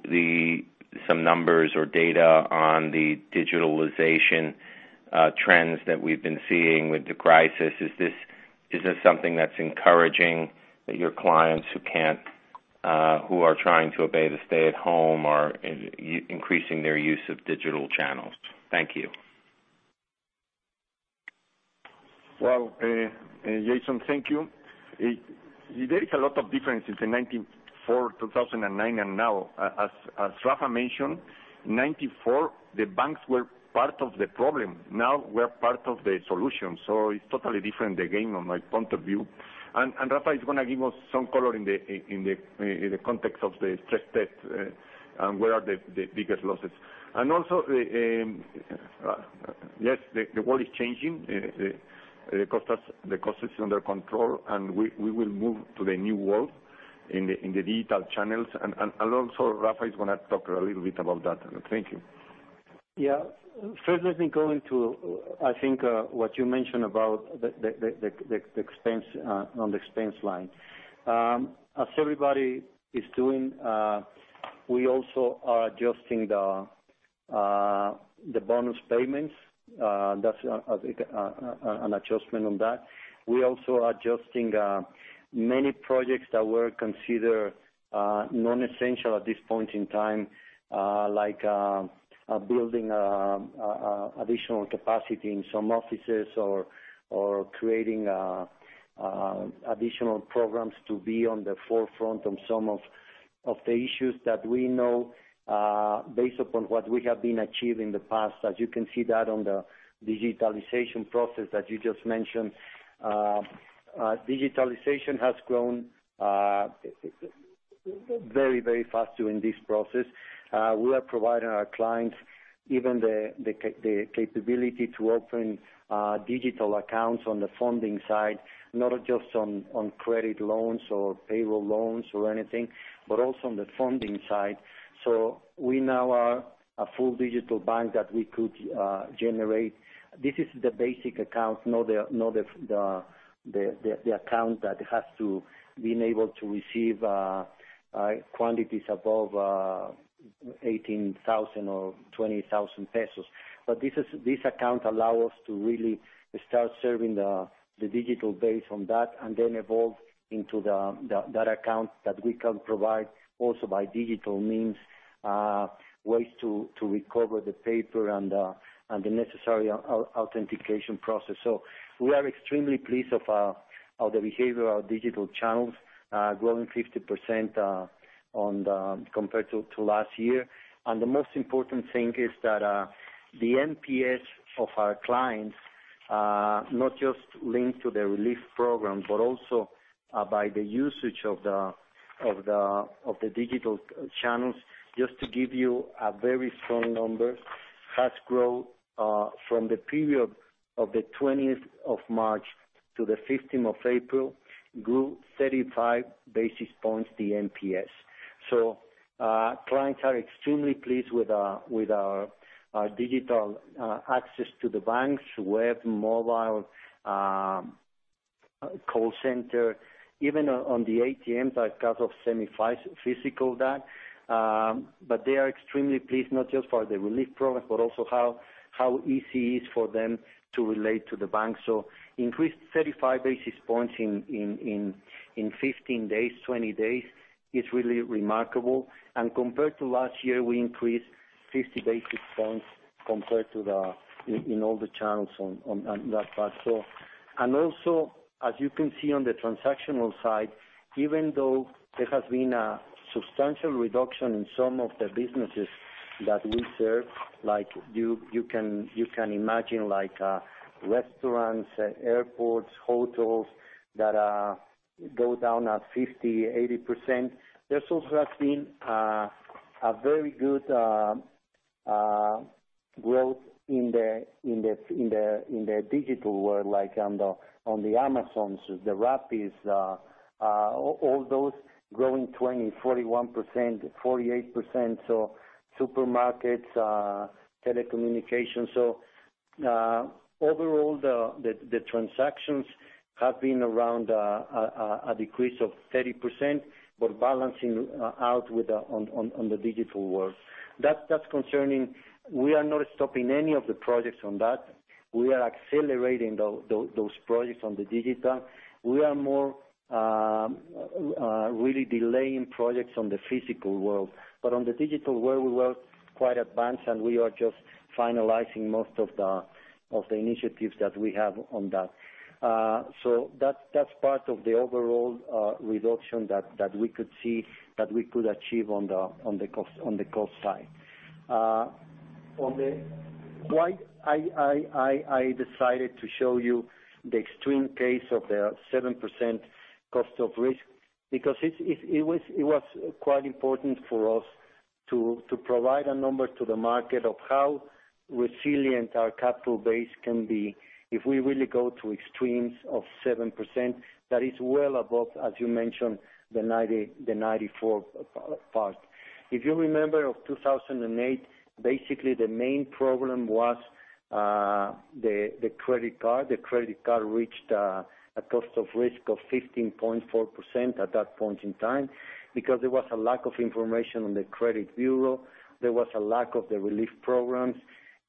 Speaker 6: some numbers or data on the digitalization trends that we've been seeing with the crisis? Is this something that's encouraging that your clients who are trying to obey the stay at home are increasing their use of digital channels? Thank you.
Speaker 3: Well, Jason, thank you. There is a lot of differences in 1994, 2009, and now. As Rafa mentioned, in 1994, the banks were part of the problem. Now we are part of the solution. So it's totally different, again, on my point of view. Rafa is going to give us some color in the context of the stress test and where are the biggest losses. Also, yes, the world is changing. The cost is under control, and we will move to the new world in the digital channels. Also, Rafa is going to talk a little bit about that. Thank you.
Speaker 4: Yeah. First, let me go into, I think, what you mentioned about on the expense line. As everybody is doing, we also are adjusting the bonus payments. That's an adjustment on that. We are also adjusting many projects that were considered non-essential at this point in time, like building additional capacity in some offices or creating additional programs to be on the forefront on some of the issues that we know based upon what we have been achieved in the past. As you can see that on the digitalization process that you just mentioned. Digitalization has grown very fast during this process. We are providing our clients even the capability to open digital accounts on the funding side, not just on credit loans or payroll loans or anything, but also on the funding side. We now are a full digital bank that we could generate. This is the basic account, not the account that has to be able to receive quantities above 18,000 or 20,000 pesos. This account allow us to really start serving the digital base on that and then evolve into that account that we can provide also by digital means, ways to recover the paper and the necessary authentication process. We are extremely pleased of the behavior of digital channels growing 50% compared to last year. The most important thing is that the NPS of our clients, not just linked to the relief program, but also by the usage of the digital channels. Just to give you a very strong number, has grown from the period of the 20th of March to the 15th of April, grew 35 basis points, the NPS. Clients are extremely pleased with our digital access to the banks, web, mobile, call center, even on the ATMs because of semi-physical that. They are extremely pleased, not just for the relief program, but also how easy it is for them to relate to the bank. Increased 35 basis points in 15 days, 20 days, is really remarkable. Compared to last year, we increased 50 basis points in all the channels on that part. Also, as you can see on the transactional side, even though there has been a substantial reduction in some of the businesses that we serve, like you can imagine restaurants, airports, hotels that go down at 50%, 80%. There has also been a very good growth in the digital world, like on the Amazons, the Rappis, all those growing 20%, 41%, 48%. Supermarkets, telecommunication. Overall, the transactions have been around a decrease of 30%, balancing out on the digital world. That's concerning. We are not stopping any of the projects on that. We are accelerating those projects on the digital. We are more really delaying projects on the physical world. On the digital world, we were quite advanced, and we are just finalizing most of the initiatives that we have on that. That's part of the overall reduction that we could achieve on the cost side. Why I decided to show you the extreme case of the 7% cost of risk, because it was quite important for us to provide a number to the market of how resilient our capital base can be if we really go to extremes of 7%, that is well above, as you mentioned, the 1994 part. If you remember of 2008, basically the main problem was the credit card. The credit card reached a cost of risk of 15.4% at that point in time because there was a lack of information on the credit bureau. There was a lack of the relief programs.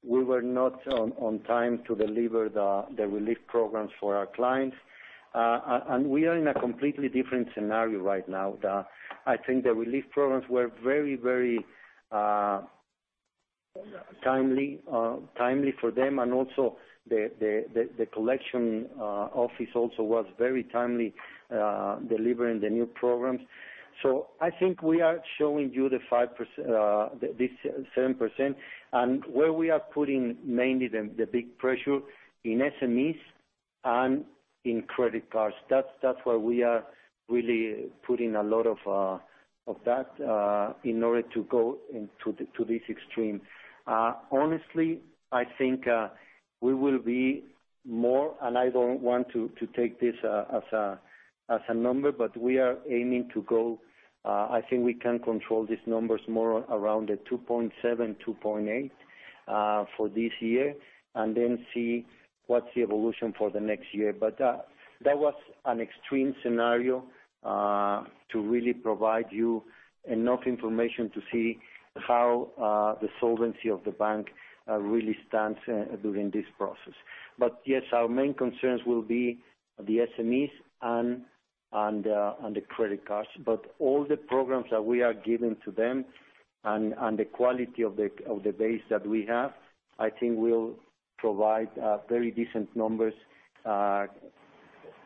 Speaker 4: We were not on time to deliver the relief programs for our clients. We are in a completely different scenario right now. I think the relief programs were very timely for them, and also the collection office also was very timely delivering the new programs. I think we are showing you this 7%, and where we are putting mainly the big pressure in SMEs and in credit cards. That's where we are really putting a lot of that in order to go into this extreme. Honestly, I think we will be more, and I don't want to take this as a number, but we are aiming to go I think we can control these numbers more around the 2.7%, 2.8% for this year, and then see what's the evolution for the next year. That was an extreme scenario to really provide you enough information to see how the solvency of the bank really stands during this process. Yes, our main concerns will be the SMEs and the credit cards. All the programs that we are giving to them and the quality of the base that we have, I think will provide very decent numbers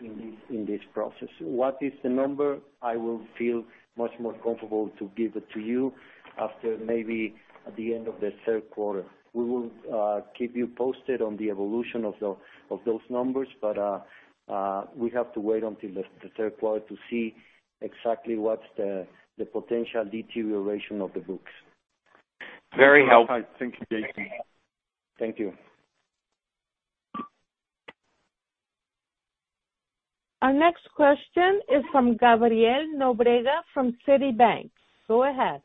Speaker 4: in this process. What is the number? I will feel much more comfortable to give it to you after maybe at the end of the third quarter. We will keep you posted on the evolution of those numbers, but we have to wait until the third quarter to see exactly what's the potential deterioration of the books.
Speaker 6: Very helpful.
Speaker 4: Thank you, Jason.
Speaker 6: Thank you.
Speaker 1: Our next question is from Gabriel Nóbrega from Citibank. Go ahead.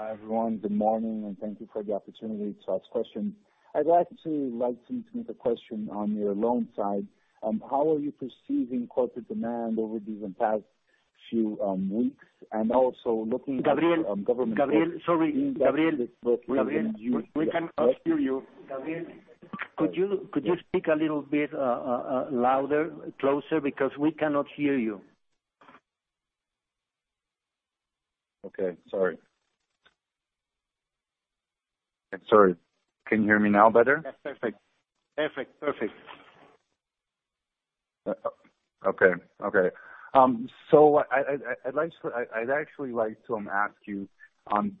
Speaker 7: Hi, everyone. Good morning. Thank you for the opportunity to ask questions. I'd actually like to make a question on your loan side. How are you perceiving corporate demand over these past few weeks?
Speaker 3: Gabriel? Sorry, Gabriel. We cannot hear you. Gabriel, could you speak a little bit louder, closer? We cannot hear you.
Speaker 7: Okay. Sorry. Can you hear me now better?
Speaker 3: Yes, perfect.
Speaker 7: Okay. I'd actually like to ask you on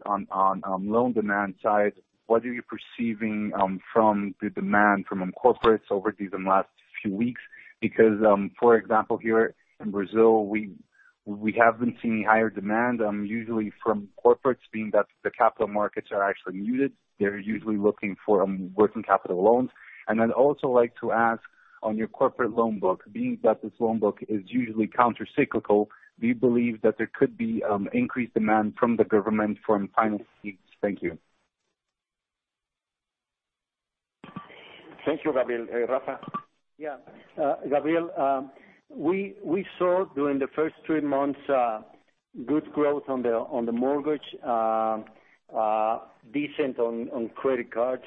Speaker 7: loan demand side, what are you perceiving from the demand from corporates over these last few weeks? For example, here in Brazil, we have been seeing higher demand, usually from corporates, being that the capital markets are actually muted. They're usually looking for working capital loans. I'd also like to ask on your corporate loan book, being that this loan book is usually countercyclical, do you believe that there could be increased demand from the government for finance needs? Thank you.
Speaker 3: Thank you, Gabriel. Rafa?
Speaker 4: Yeah. Gabriel, we saw during the first three months, good growth on the mortgage. Decent on credit cards.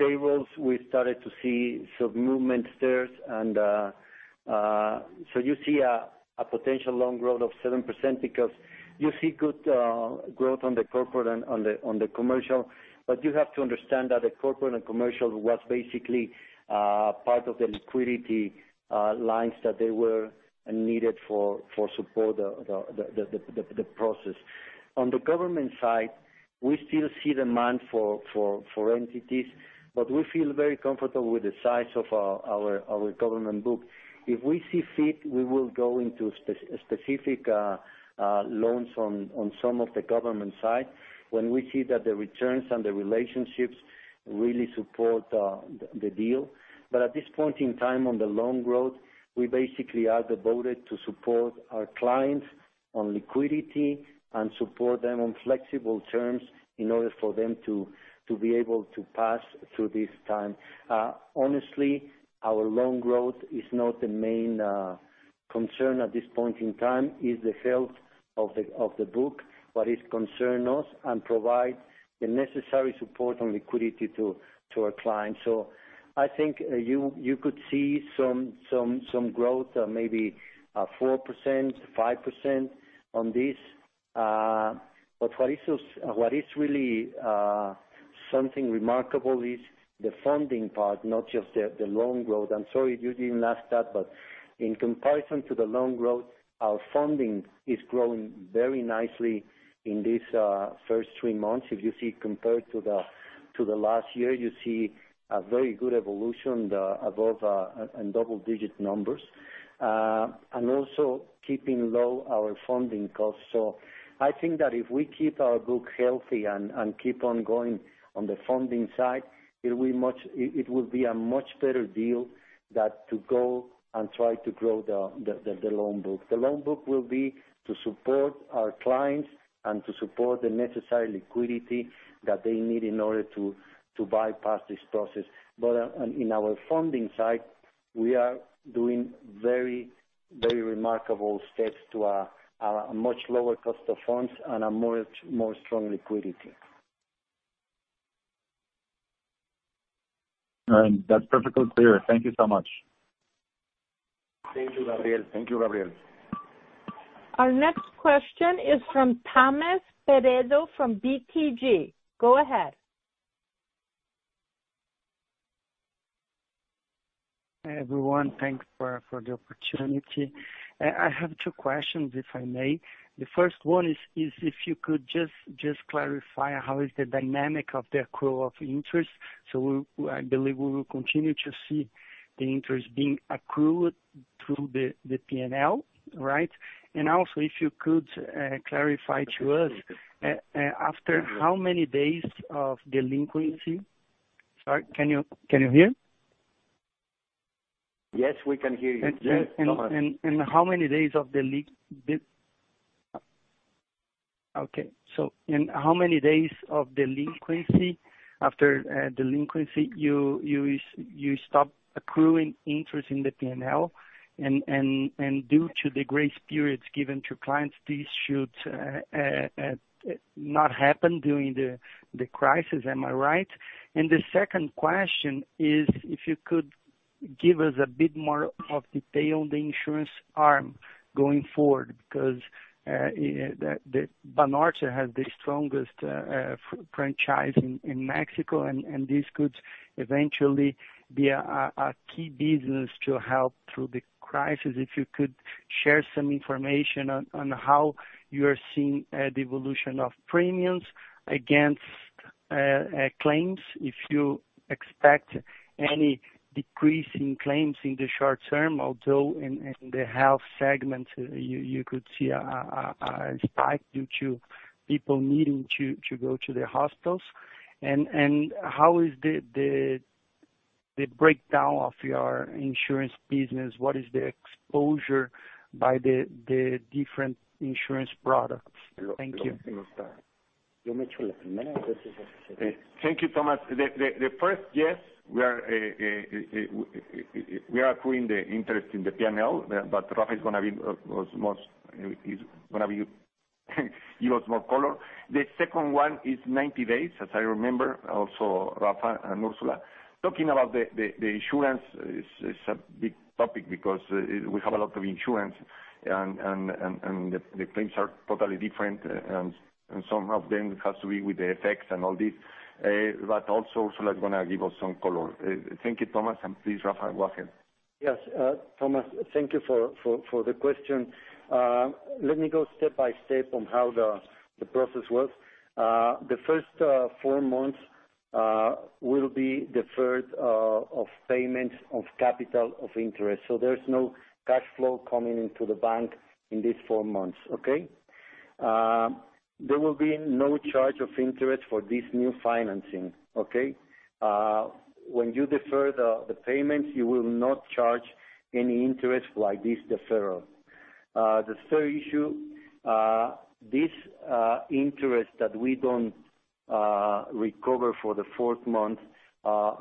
Speaker 4: Payables, we started to see some movement there. You see a potential loan growth of 7% because you see good growth on the corporate and on the commercial. You have to understand that the corporate and commercial was basically part of the liquidity lines that they were needed for support the process. On the government side, we still see demand for entities, but we feel very comfortable with the size of our government book. If we see fit, we will go into specific loans on some of the government side when we see that the returns and the relationships really support the deal. At this point in time, on the loan growth, we basically are devoted to support our clients on liquidity and support them on flexible terms in order for them to be able to pass through this time. Honestly, our loan growth is not the main concern at this point in time, is the health of the book. But it concerns us and provide the necessary support on liquidity to our clients. I think you could see some growth, maybe 4%, 5% on this. What is really something remarkable is the funding part, not just the loan growth. I'm sorry you didn't ask that, but in comparison to the loan growth, our funding is growing very nicely in these first three months. If you see compared to the last year, you see a very good evolution above and double-digit numbers. Also keeping low our funding costs. I think that if we keep our book healthy and keep on going on the funding side, it will be a much better deal that to go and try to grow the loan book. The loan book will be to support our clients and to support the necessary liquidity that they need in order to bypass this process. In our funding side, we are doing very remarkable steps to a much lower cost of funds and a much more strong liquidity.
Speaker 7: That's perfectly clear. Thank you so much.
Speaker 4: Thank you, Gabriel.
Speaker 1: Our next question is from Thomas Peredo from BTG. Go ahead.
Speaker 8: Hi, everyone. Thanks for the opportunity. I have two questions, if I may. The first one is if you could just clarify how is the dynamic of the accrual of interest? I believe we will continue to see the interest being accrued through the P&L, right? If you could clarify to us, after how many days of delinquency? Sorry, can you hear?
Speaker 3: Yes, we can hear you. Yes, go ahead.
Speaker 8: How many days of delinquency, after delinquency, you stop accruing interest in the P&L, and due to the grace periods given to clients, this should not happen during the crisis. Am I right? The second question is, if you could give us a bit more of detail on the insurance arm going forward, because Banorte has the strongest franchise in Mexico, and this could eventually be a key business to help through the crisis. If you could share some information on how you're seeing the evolution of premiums against claims. If you expect any decrease in claims in the short term, although in the health segment, you could see a spike due to people needing to go to the hospitals. How is the breakdown of your insurance business? What is the exposure by the different insurance products? Thank you.
Speaker 3: Thank you, Thomas. The first, yes, we are accruing the interest in the P&L, but Rafa is going to give us more color. The second one is 90 days, as I remember. Also, Rafa and Ursula. Talking about the insurance is a big topic because we have a lot of insurance, and the claims are totally different, and some of them has to be with the effects and all this. Also, Ursula is going to give us some color. Thank you, Thomas. Please, Rafa, go ahead.
Speaker 4: Yes, Thomas, thank you for the question. Let me go step by step on how the process works. The first four months will be deferred of payments of capital of interest. There's no cash flow coming into the bank in these four months, okay? There will be no charge of interest for this new financing, okay? When you defer the payments, you will not charge any interest like this deferral. The third issue, this interest that we don't recover for the fourth month,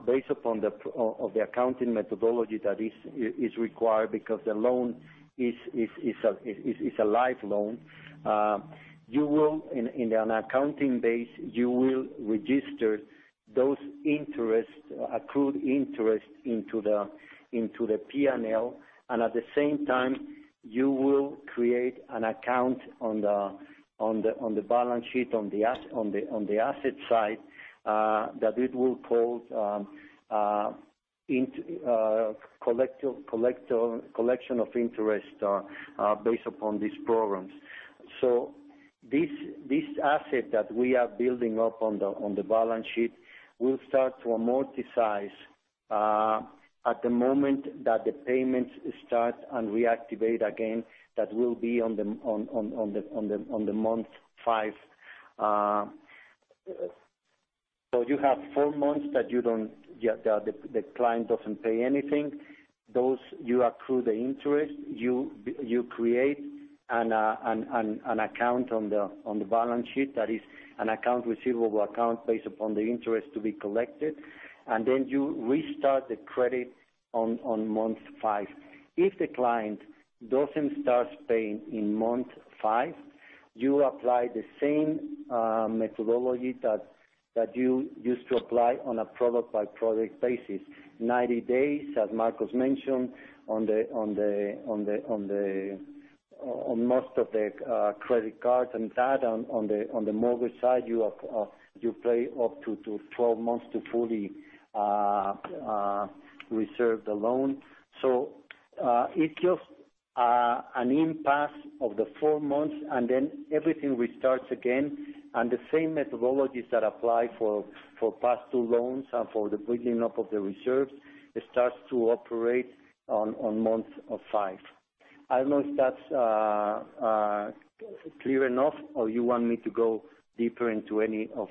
Speaker 4: based upon the accounting methodology that is required because the loan is a live loan. In an accounting basis, you will register those accrued interest into the P&L, and at the same time, you will create an account on the balance sheet on the asset side, that it will call into collection of interest based upon these programs. This asset that we are building up on the balance sheet will start to amortize at the moment that the payments start and reactivate again, that will be on the month five. You have four months that the client doesn't pay anything. Those, you accrue the interest, you create an account on the balance sheet, that is an account receivable account based upon the interest to be collected. Then you restart the credit on month five. If the client doesn't start paying in month five, you apply the same methodology that you used to apply on a product-by-product basis. 90 days, as Marcos mentioned, on most of the credit cards, and that on the mortgage side, you play up to 12 months to fully reserve the loan. It's just an impasse of the four months, and then everything restarts again, and the same methodologies that apply for past due loans and for the building up of the reserves, it starts to operate on month five. I don't know if that's clear enough or you want me to go deeper into any of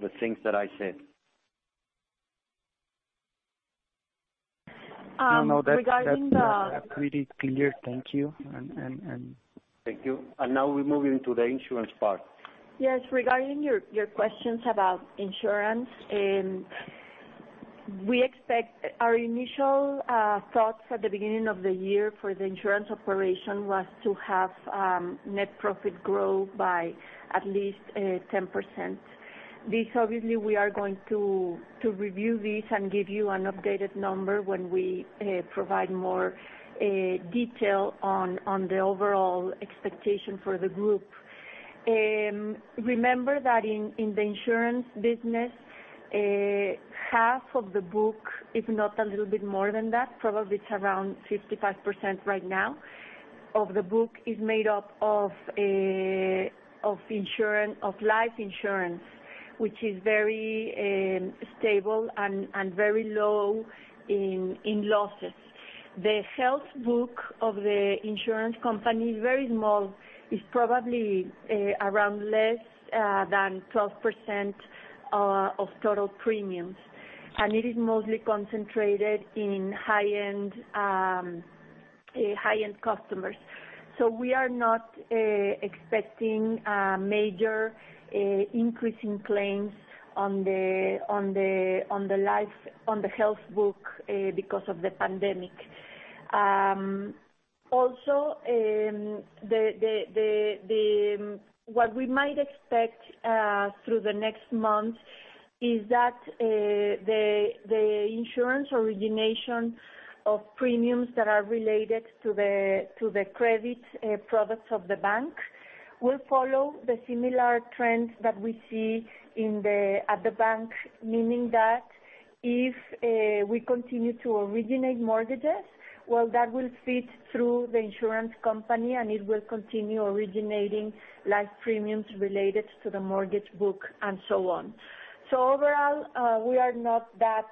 Speaker 4: the things that I said.
Speaker 8: No.
Speaker 2: Regarding the-
Speaker 8: That's pretty clear. Thank you.
Speaker 4: Thank you. Now we're moving to the insurance part.
Speaker 2: Yes. Regarding your questions about insurance, we expect our initial thoughts at the beginning of the year for the insurance operation was to have net profit grow by at least 10%. This, obviously, we are going to review this and give you an updated number when we provide more detail on the overall expectation for the group. Remember that in the insurance business, half of the book, if not a little bit more than that, probably it's around 55% right now, of the book is made up of life insurance, which is very stable and very low in losses. The health book of the insurance company is very small, is probably around less than 12% of total premiums. It is mostly concentrated in high-end customers. We are not expecting a major increase in claims on the health book because of the pandemic. What we might expect through the next month is that the insurance origination of premiums that are related to the credit products of the bank will follow the similar trends that we see at the bank. Meaning that if we continue to originate mortgages, well, that will feed through the insurance company, and it will continue originating life premiums related to the mortgage book and so on. Overall, we are not that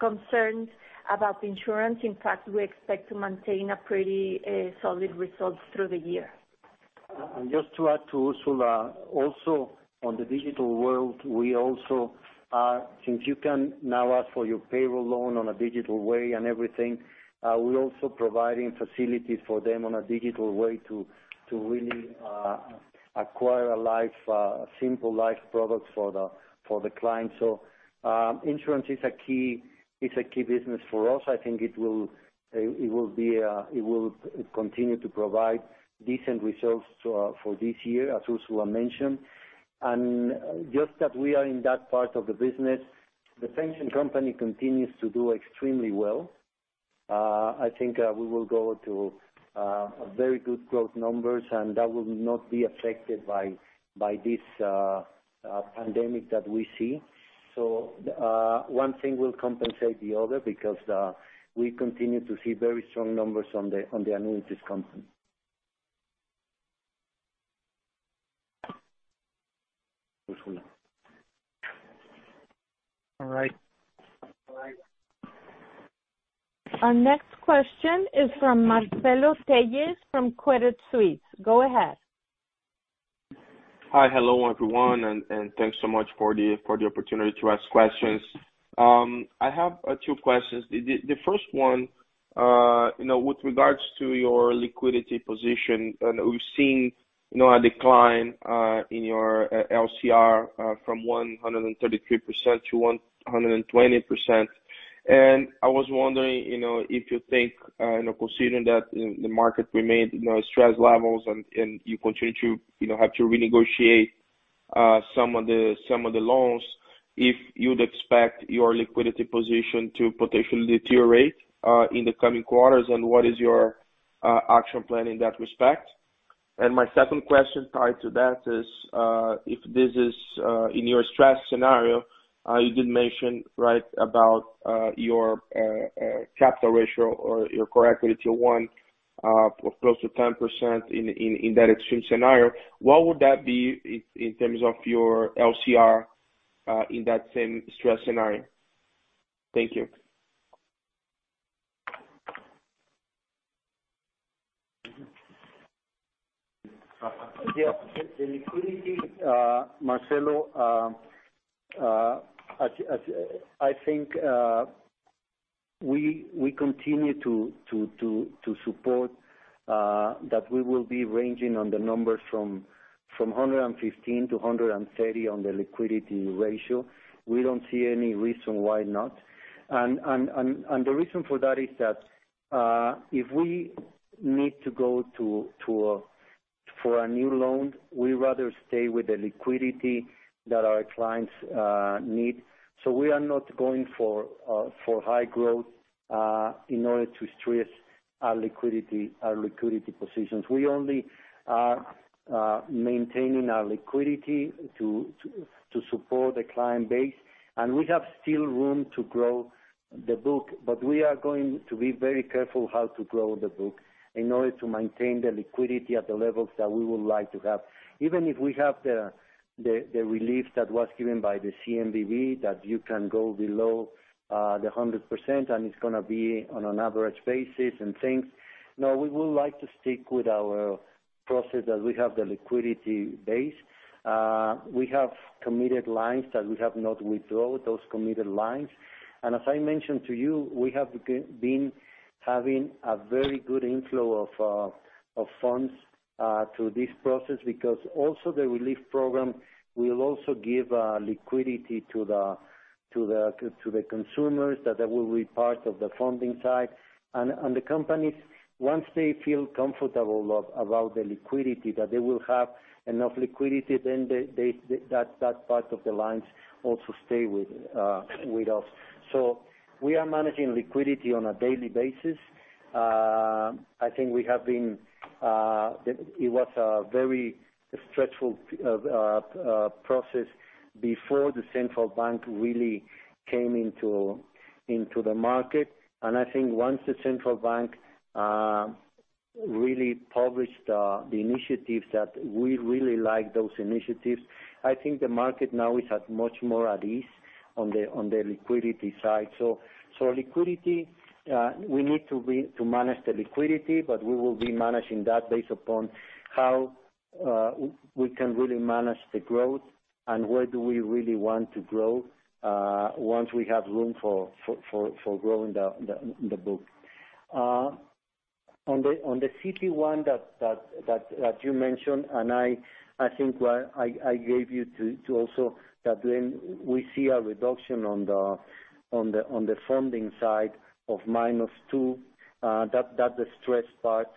Speaker 2: concerned about the insurance. In fact, we expect to maintain a pretty solid result through the year.
Speaker 3: Just to add to Ursula, also on the digital world, since you can now ask for your payroll loan on a digital way and everything, we're also providing facilities for them on a digital way to really acquire a simple life product for the client. Insurance is a key business for us. I think it will continue to provide decent results for this year, as Ursula mentioned. Just that we are in that part of the business, the pension company continues to do extremely well. I think we will go to very good growth numbers, and that will not be affected by this pandemic that we see. One thing will compensate the other because we continue to see very strong numbers on the annuities company.
Speaker 8: All right.
Speaker 1: Our next question is from Marcelo Telles from Credit Suisse. Go ahead.
Speaker 9: Hi. Hello, everyone. Thanks so much for the opportunity to ask questions. I have two questions. The first one, with regards to your liquidity position, we've seen a decline in your LCR from 133%-120%. I was wondering if you think, considering that the market remained stress levels and you continue to have to renegotiate some of the loans, if you'd expect your liquidity position to potentially deteriorate in the coming quarters, and what is your action plan in that respect? My second question tied to that is, if this is in your stress scenario, you did mention about your capital ratio or your Core Tier 1, or close to 10% in that extreme scenario. What would that be in terms of your LCR, in that same stress scenario? Thank you.
Speaker 4: The liquidity, Marcelo, I think we continue to support that we will be ranging on the numbers from 115%-130% on the liquidity ratio. We don't see any reason why not. The reason for that is that, if we need to go for a new loan, we rather stay with the liquidity that our clients need. We are not going for high growth, in order to stress our liquidity positions. We only are maintaining our liquidity to support the client base. We have still room to grow the book, but we are going to be very careful how to grow the book in order to maintain the liquidity at the levels that we would like to have. Even if we have the relief that was given by the CNBV, that you can go below the 100%, and it's going to be on an average basis and things. No, we would like to stick with our process that we have the liquidity base. We have committed lines that we have not withdrawn those committed lines. As I mentioned to you, we have been having a very good inflow of funds, to this process, because also the relief program will also give liquidity to the consumers, that will be part of the funding side. The companies, once they feel comfortable about the liquidity, that they will have enough liquidity, then that part of the lines also stay with us. We are managing liquidity on a daily basis. I think it was a very stressful process before the central bank really came into the market. I think once the central bank really published the initiatives that we really like those initiatives. I think the market now is at much more at ease on the liquidity side. Liquidity, we need to manage the liquidity, we will be managing that based upon how we can really manage the growth and where do we really want to grow, once we have room for growing the book. On the CET1 that you mentioned, I think I gave you too also, that when we see a reduction on the funding side of [-2%], that's the stress part.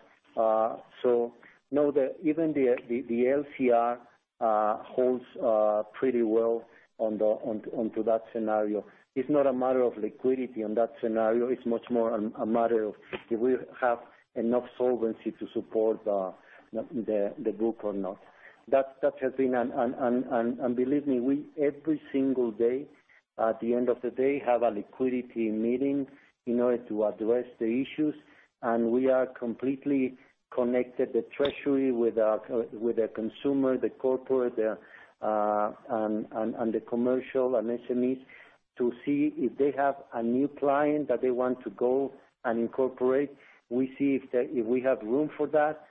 Speaker 4: Know that even the LCR holds pretty well onto that scenario. It's not a matter of liquidity on that scenario. It's much more a matter of do we have enough solvency to support the group or not. Believe me, every single day, at the end of the day, we have a liquidity meeting in order to address the issues. We are completely connected, the treasury with the consumer, the corporate, and the commercial and SMEs, to see if they have a new client that they want to go and incorporate. We see if we have room for that.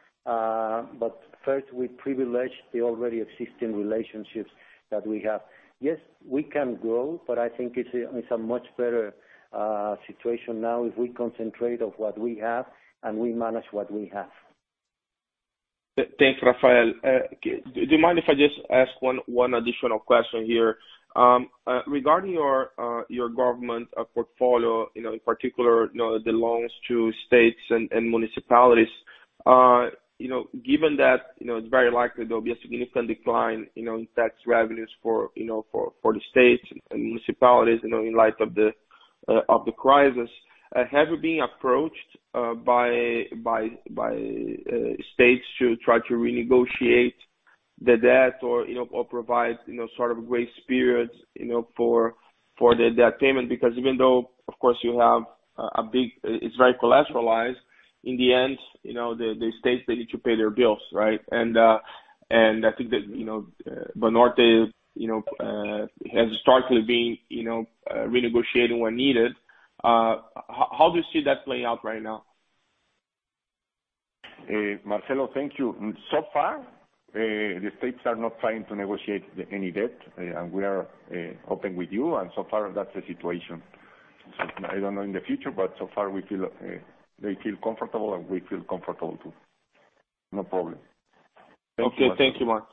Speaker 4: First, we privilege the already existing relationships that we have. Yes, we can grow, but I think it's a much better situation now if we concentrate on what we have, and we manage what we have.
Speaker 9: Thanks, Rafael. Do you mind if I just ask one additional question here? Regarding your government portfolio, in particular, the loans to states and municipalities. Given that, it's very likely there'll be a significant decline in tax revenues for the states and municipalities in light of the crisis. Have you been approached by states to try to renegotiate the debt or provide sort of grace periods for the debt payment, because even though, of course, it's very collateralized, in the end, the states, they need to pay their bills, right? I think that Banorte has historically been renegotiating where needed. How do you see that playing out right now?
Speaker 3: Marcelo, thank you. So far, the states are not trying to negotiate any debt. We are hoping with you, and so far, that's the situation. I don't know in the future, so far they feel comfortable, and we feel comfortable too. No problem.
Speaker 9: Okay. Thank you, Marcos.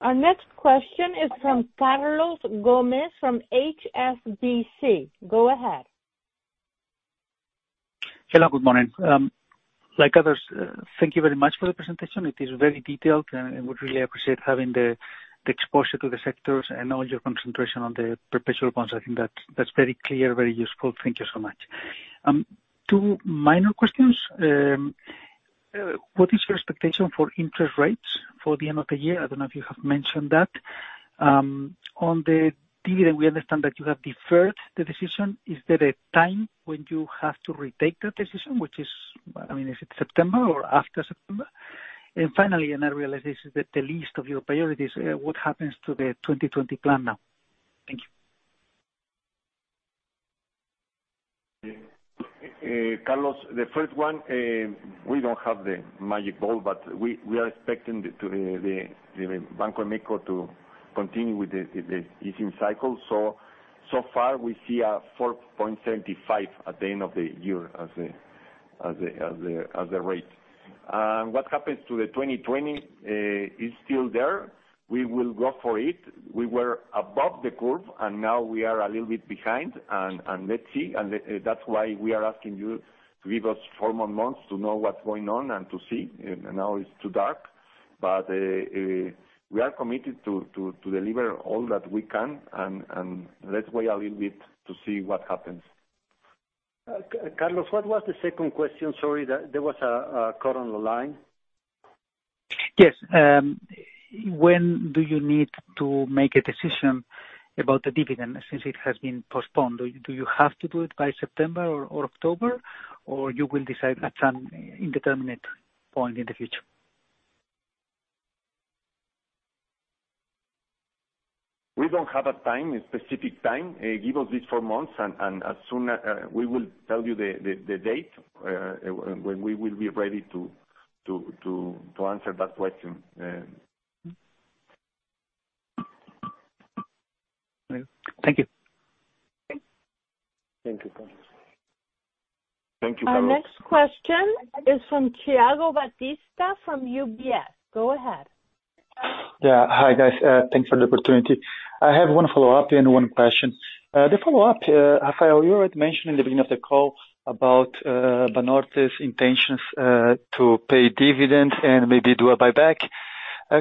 Speaker 1: Our next question is from Carlos Gomez from HSBC. Go ahead.
Speaker 10: Hello, good morning. Like others, thank you very much for the presentation. It is very detailed, and we really appreciate having the exposure to the sectors and all your concentration on the perpetual bonds. I think that's very clear, very useful. Thank you so much. Two minor questions. What is your expectation for interest rates for the end of the year? I don't know if you have mentioned that. On the dividend, we understand that you have deferred the decision. Is there a time when you have to retake that decision, is it September or after September? Finally, and I realize this is the least of your priorities, what happens to the 2020 plan now? Thank you.
Speaker 3: Carlos, the first one, we don't have the magic ball. We are expecting the Banco de México to continue with the easing cycle. We see a 4.75% at the end of the year as the rate. What happens to the 2020 is still there. We will go for it. We were above the curve. Now we are a little bit behind. Let's see. That's why we are asking you to give us four more months to know what's going on and to see. Now it's too dark. We are committed to deliver all that we can. Let's wait a little bit to see what happens.
Speaker 4: Carlos, what was the second question? Sorry, there was a cut on the line.
Speaker 10: Yes. When do you need to make a decision about the dividend, since it has been postponed? Do you have to do it by September or October, or you will decide at some indeterminate point in the future?
Speaker 3: We don't have a specific time. Give us these four months, and as soon as we will tell you the date when we will be ready to answer that question.
Speaker 10: Thank you.
Speaker 4: Thank you, Carlos.
Speaker 3: Thank you, Carlos.
Speaker 1: Our next question is from Thiago Batista from UBS. Go ahead.
Speaker 11: Yeah. Hi, guys. Thanks for the opportunity. I have one follow-up and one question. The follow-up, Rafael, you had mentioned in the beginning of the call about Banorte's intentions to pay dividends and maybe do a buyback.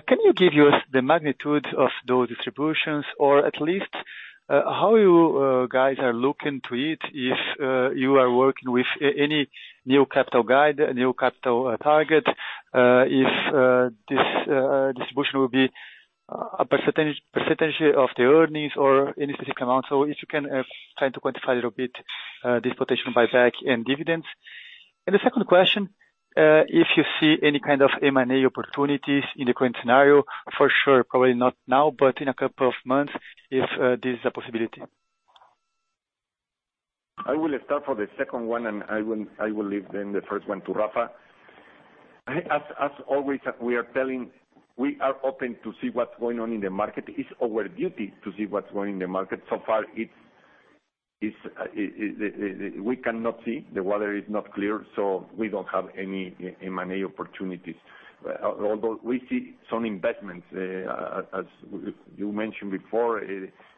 Speaker 11: Can you give us the magnitude of those distributions, or at least how you guys are looking to it, if you are working with any new capital guide, new capital target, if this distribution will be a percentage of the earnings or any specific amount? If you can try to quantify a little bit this potential buyback and dividends. The second question, if you see any kind of M&A opportunities in the current scenario? For sure, probably not now, but in a couple of months, if this is a possibility.
Speaker 3: I will start for the second one. I will leave the first one to Rafa. As always, we are telling we are open to see what's going on in the market. It's our duty to see what's going on in the market. So far, we cannot see. The water is not clear. We don't have any M&A opportunities. Although we see some investments, as you mentioned before,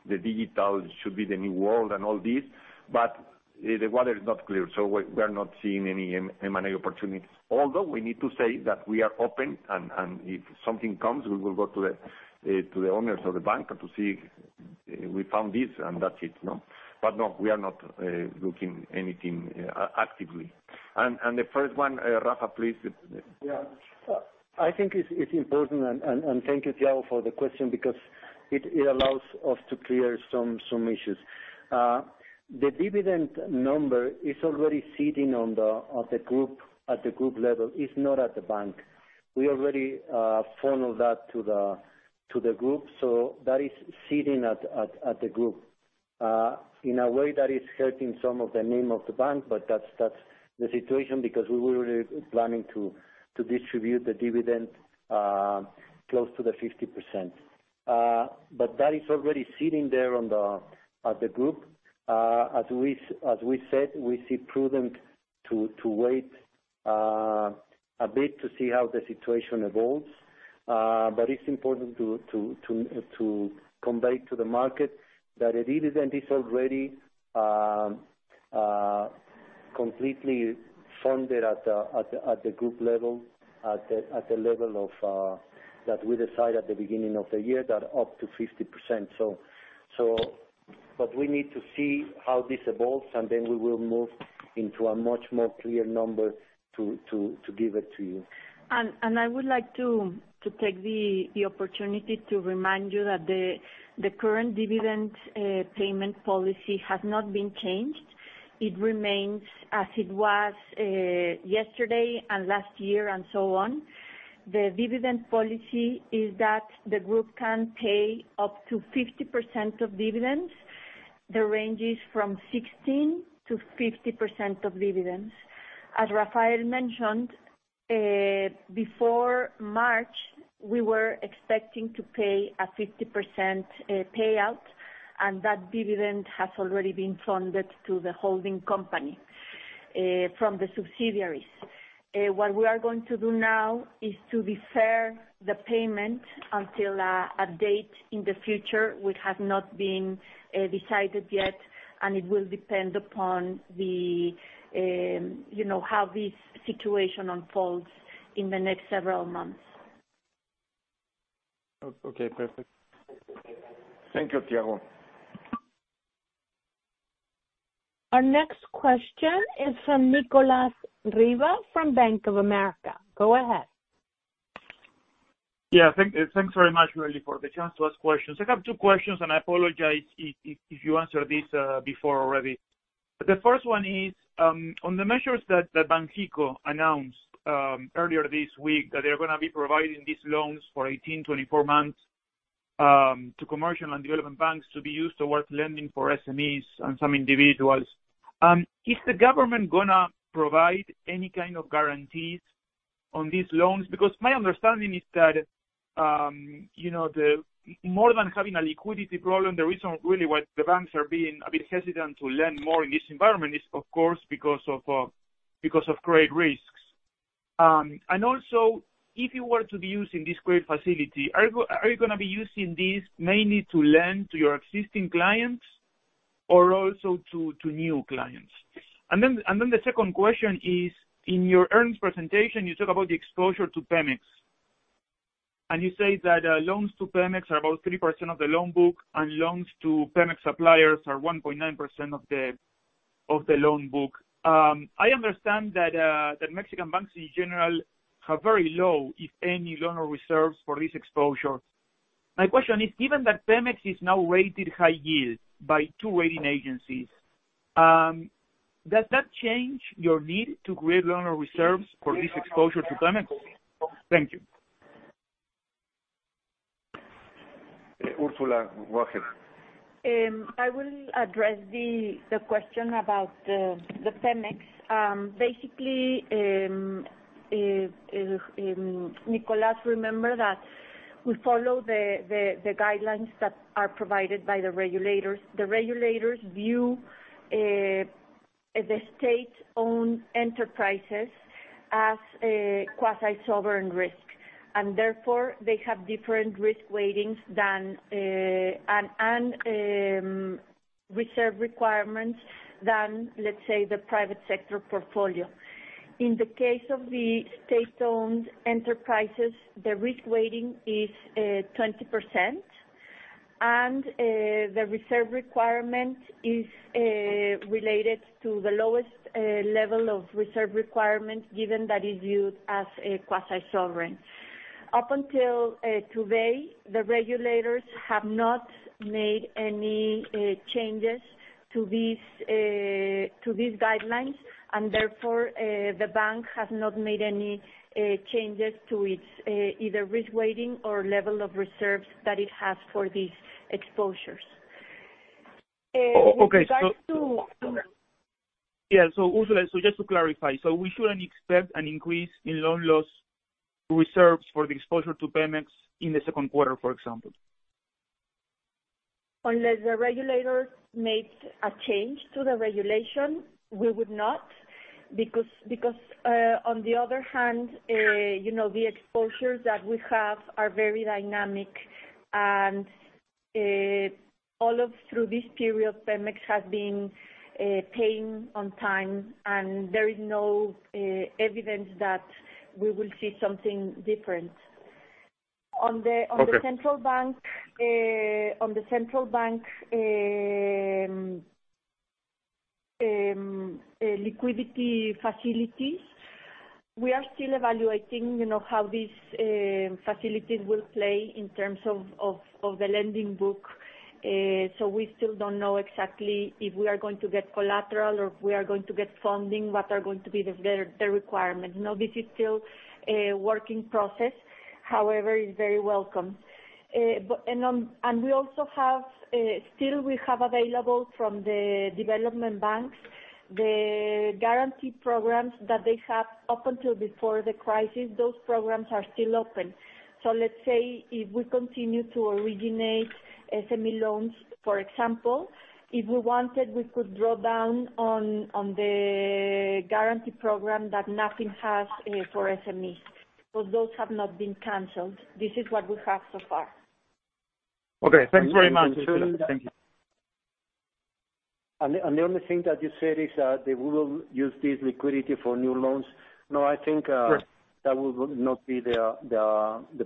Speaker 3: the digital should be the new world and all this. The water is not clear. We are not seeing any M&A opportunities. Although we need to say that we are open. If something comes, we will go to the owners of the bank to see we found this, and that's it. No, we are not looking anything actively. The first one, Rafa, please.
Speaker 4: I think it's important. Thank you, Thiago, for the question, because it allows us to clear some issues. The dividend number is already sitting at the group level, is not at the bank. We already funneled that to the group. That is sitting at the group. In a way, that is hurting some of the NIM of the bank. That's the situation because we were really planning to distribute the dividend close to the 50%. That is already sitting there at the group. As we said, we see prudent to wait a bit to see how the situation evolves. It's important to convey to the market that the dividend is already completely funded at the group level, at the level of that we decide at the beginning of the year, that up to 50%. We need to see how this evolves, and then we will move into a much more clear number to give it to you.
Speaker 2: I would like to take the opportunity to remind you that the current dividend payment policy has not been changed. It remains as it was yesterday and last year and so on. The dividend policy is that the group can pay up to 50% of dividends. The range is from 16%-50% of dividends. As Rafael mentioned, before March, we were expecting to pay a 50% payout, and that dividend has already been funded to the holding company from the subsidiaries. We are going to do now is to defer the payment until a date in the future, which has not been decided yet, and it will depend upon how this situation unfolds in the next several months.
Speaker 11: Okay. Perfect.
Speaker 3: Thank you, Thiago.
Speaker 1: Our next question is from Nicolas Riva from Bank of America. Go ahead.
Speaker 12: Yeah. Thanks very much, really, for the chance to ask questions. I have two questions. I apologize if you answered this before already. The first one is on the measures that Banxico announced earlier this week, that they're going to be providing these loans for 18-24 months to commercial and development banks to be used towards lending for SMEs and some individuals. Is the government going to provide any kind of guarantees on these loans? My understanding is that, more than having a liquidity problem, the reason really why the banks are being a bit hesitant to lend more in this environment is, of course, because of credit risks. Also, if you were to be using this credit facility, are you going to be using this mainly to lend to your existing clients or also to new clients? The second question is, in your earnings presentation, you talk about the exposure to PEMEX. You say that loans to PEMEX are about 3% of the loan book, and loans to PEMEX suppliers are 1.9% of the loan book. I understand that Mexican banks, in general, have very low, if any, loan or reserves for this exposure. My question is, given that PEMEX is now rated high yield by two rating agencies, does that change your need to create loan or reserves for this exposure to PEMEX? Thank you.
Speaker 3: Ursula, go ahead.
Speaker 2: I will address the question about PEMEX. Basically, Nicolas, remember that we follow the guidelines that are provided by the regulators. The regulators view the state-owned enterprises as a quasi-sovereign risk, and therefore they have different risk weightings and reserve requirements than, let's say, the private sector portfolio. In the case of the state-owned enterprises, the risk weighting is 20%, and the reserve requirement is related to the lowest level of reserve requirement given that is used as a quasi-sovereign. Up until today, the regulators have not made any changes to these guidelines, and therefore, the bank has not made any changes to its either risk weighting or level of reserves that it has for these exposures.
Speaker 12: Okay. Yeah. Ursula, just to clarify, so we shouldn't expect an increase in loan loss reserves for the exposure to PEMEX in the second quarter, for example?
Speaker 2: Unless the regulators made a change to the regulation, we would not, because on the other hand, the exposures that we have are very dynamic, and all through this period, PEMEX has been paying on time, and there is no evidence that we will see something different.
Speaker 12: Okay.
Speaker 2: On the central bank liquidity facilities, we are still evaluating how these facilities will play in terms of the lending book. We still don't know exactly if we are going to get collateral or if we are going to get funding, what are going to be the requirements. This is still a work in process. However, it's very welcome. We also still have available from the development banks, the guarantee programs that they have up until before the crisis, those programs are still open. Let's say if we continue to originate SME loans, for example, if we wanted, we could draw down on the guarantee program that Nafin has for SMEs, because those have not been canceled. This is what we have so far.
Speaker 12: Okay. Thanks very much, Ursula. Thank you.
Speaker 4: The only thing that you said is that they will use this liquidity for new loans.
Speaker 12: Sure.
Speaker 4: That will not be the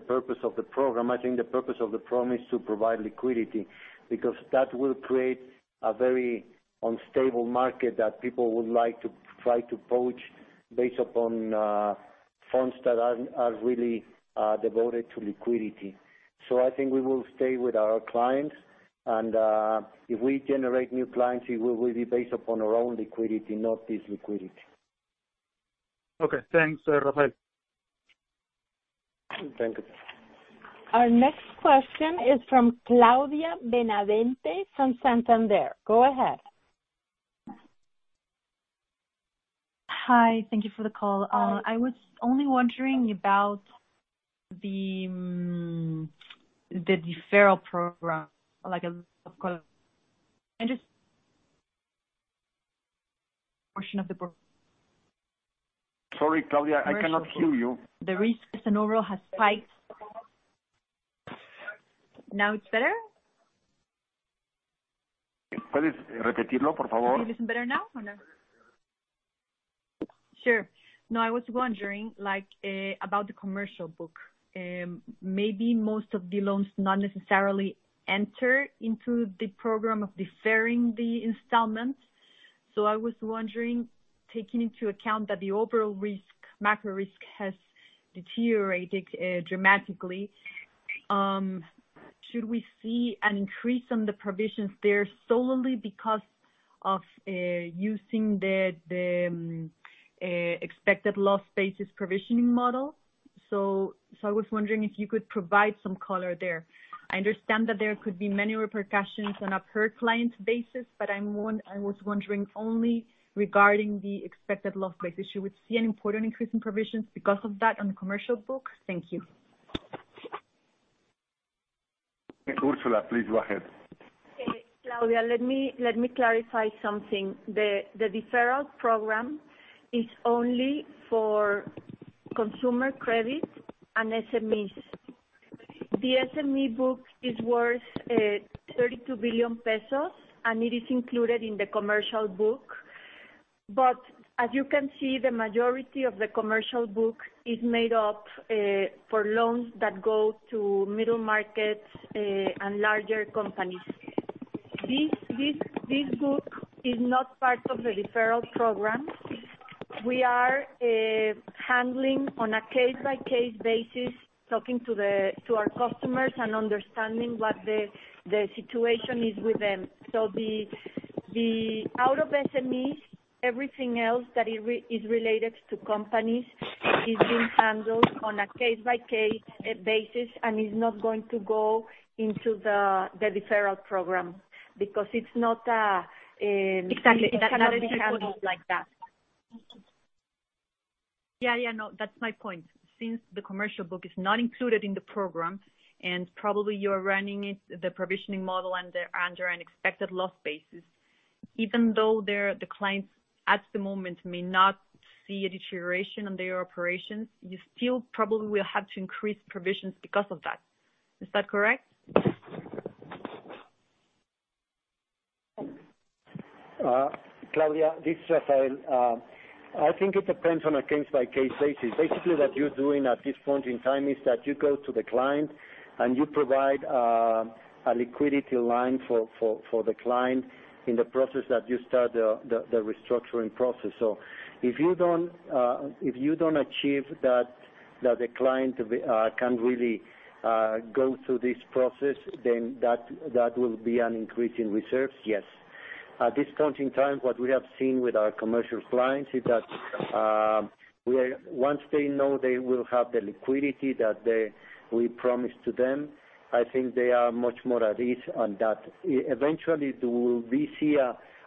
Speaker 4: purpose of the program. I think the purpose of the program is to provide liquidity, because that will create a very unstable market that people would like to try to poach based upon funds that are really devoted to liquidity. I think we will stay with our clients, and if we generate new clients, it will be based upon our own liquidity, not this liquidity.
Speaker 12: Okay. Thanks, Rafael.
Speaker 4: Thank you.
Speaker 1: Our next question is from Claudia Benavente from Santander. Go ahead.
Speaker 13: Hi. Thank you for the call. I was only wondering about the deferral program, like and just portion of the pro-
Speaker 3: Sorry, Claudia, I cannot hear you.
Speaker 13: The risk in overall has spiked. Now it's better?
Speaker 3: <audio distortion>
Speaker 13: Maybe this is better now, or no? Sure. I was wondering about the commercial book. Maybe most of the loans not necessarily enter into the program of deferring the installments. I was wondering, taking into account that the overall macro risk has deteriorated dramatically, should we see an increase on the provisions there solely because of using the expected loss basis provisioning model? I was wondering if you could provide some color there. I understand that there could be many repercussions on a per-client basis, I was wondering only regarding the expected loss basis. Should we see an important increase in provisions because of that on the commercial book? Thank you.
Speaker 3: Ursula, please go ahead.
Speaker 2: Okay. Claudia, let me clarify something. The deferral program is only for consumer credit and SMEs. The SME book is worth 32 billion pesos, and it is included in the commercial book. As you can see, the majority of the commercial book is made up for loans that go to middle markets and larger companies. This book is not part of the deferral program. We are handling on a case-by-case basis, talking to our customers and understanding what the situation is with them. Out of SMEs, everything else that is related to companies is being handled on a case-by-case basis and is not going to go into the deferral program because it cannot be handled like that.
Speaker 13: Yeah. No, that's my point. Since the commercial book is not included in the program, and probably you are running the provisioning model under an expected loss basis, even though the clients, at the moment, may not see a deterioration on their operations, you still probably will have to increase provisions because of that. Is that correct?
Speaker 4: Claudia, this is Rafael. I think it depends on a case-by-case basis. Basically, what you're doing at this point in time is that you go to the client and you provide a liquidity line for the client in the process that you start the restructuring process. If you don't achieve that the client can really go through this process, then that will be an increase in reserves, yes. At this point in time, what we have seen with our commercial clients is that once they know they will have the liquidity that we promise to them, I think they are much more at ease on that. Eventually, will we see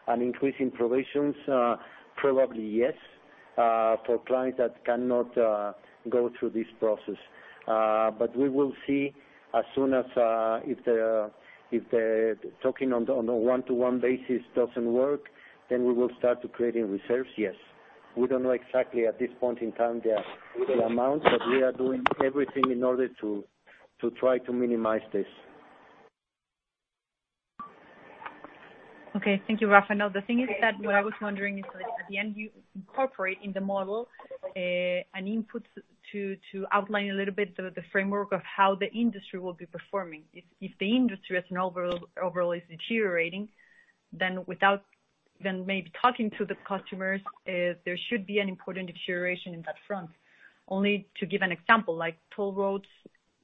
Speaker 4: an increase in provisions? Probably, yes, for clients that cannot go through this process. We will see as soon as if the talking on a one-to-one basis doesn't work, then we will start creating reserves, yes. We don't know exactly at this point in time the amount, but we are doing everything in order to try to minimize this.
Speaker 13: Okay. Thank you, Rafael. The thing is that what I was wondering is that at the end, you incorporate in the model an input to outline a little bit the framework of how the industry will be performing. If the industry as an overall is deteriorating, maybe talking to the customers, there should be an important deterioration in that front. Only to give an example, like toll roads,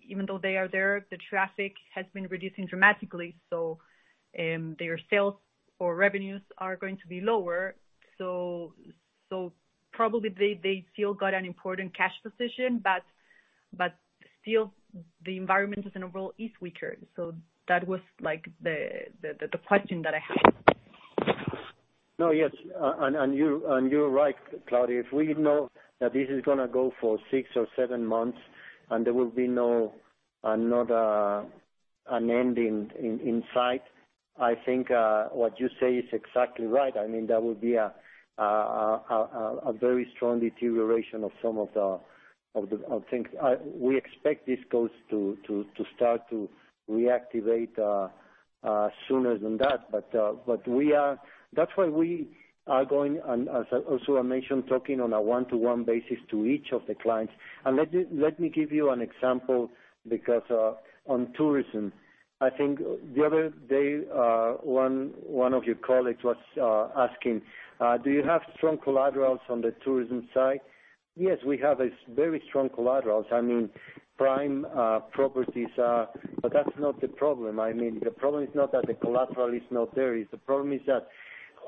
Speaker 13: even though they are there, the traffic has been reducing dramatically. Their sales or revenues are going to be lower. Probably they still got an important cash position, still the environment as an overall is weaker. That was the question that I had.
Speaker 4: No, yes. You're right, Claudia. If we know that this is going to go for six or seven months and there will be not an end in sight, I think what you say is exactly right. There will be a very strong deterioration of some of the things. We expect these coasts to start to reactivate sooner than that. That's why we are going, and as Ursula mentioned, talking on a one-to-one basis to each of the clients. Let me give you an example on tourism. I think the other day, one of your colleagues was asking, "Do you have strong collaterals on the tourism side?" Yes, we have a very strong collaterals. I mean, prime properties are, but that's not the problem. The problem is not that the collateral is not there, the problem is that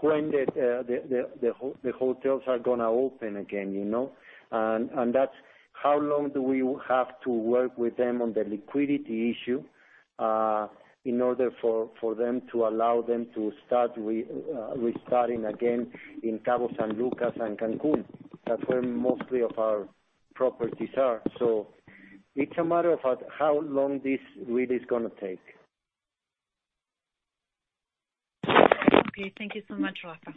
Speaker 4: when the hotels are going to open again. That's how long do we have to work with them on the liquidity issue in order for them to allow them to start restarting again in Cabo San Lucas and Cancun. That's where mostly of our properties are. It's a matter of how long this really is going to take.
Speaker 13: Okay. Thank you so much, Rafael.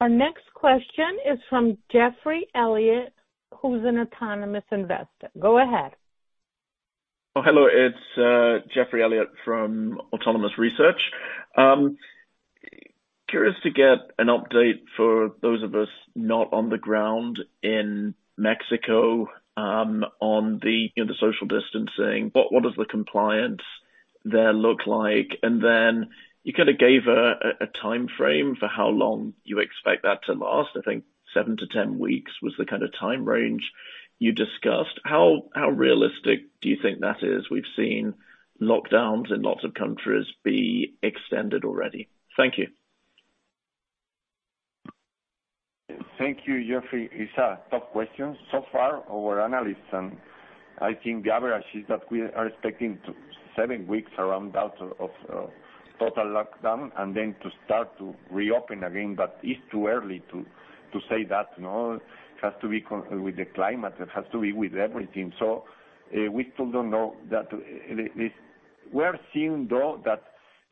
Speaker 1: Our next question is from Geoffrey Elliott, who's an Autonomous investor. Go ahead.
Speaker 14: Oh, hello. It's Geoffrey Elliott from Autonomous Research. Curious to get an update for those of us not on the ground in Mexico, on the social distancing. What does the compliance there look like? You gave a timeframe for how long you expect that to last. I think 7-10 weeks was the kind of time range you discussed. How realistic do you think that is? We've seen lockdowns in lots of countries be extended already. Thank you.
Speaker 3: Thank you, Geoffrey. It's a tough question. So far, our analysts and I think the average is that we are expecting seven weeks, around that, of total lockdown, and then to start to reopen again. It's too early to say that. It has to be with the climate, it has to be with everything. We still don't know that. We are seeing, though, that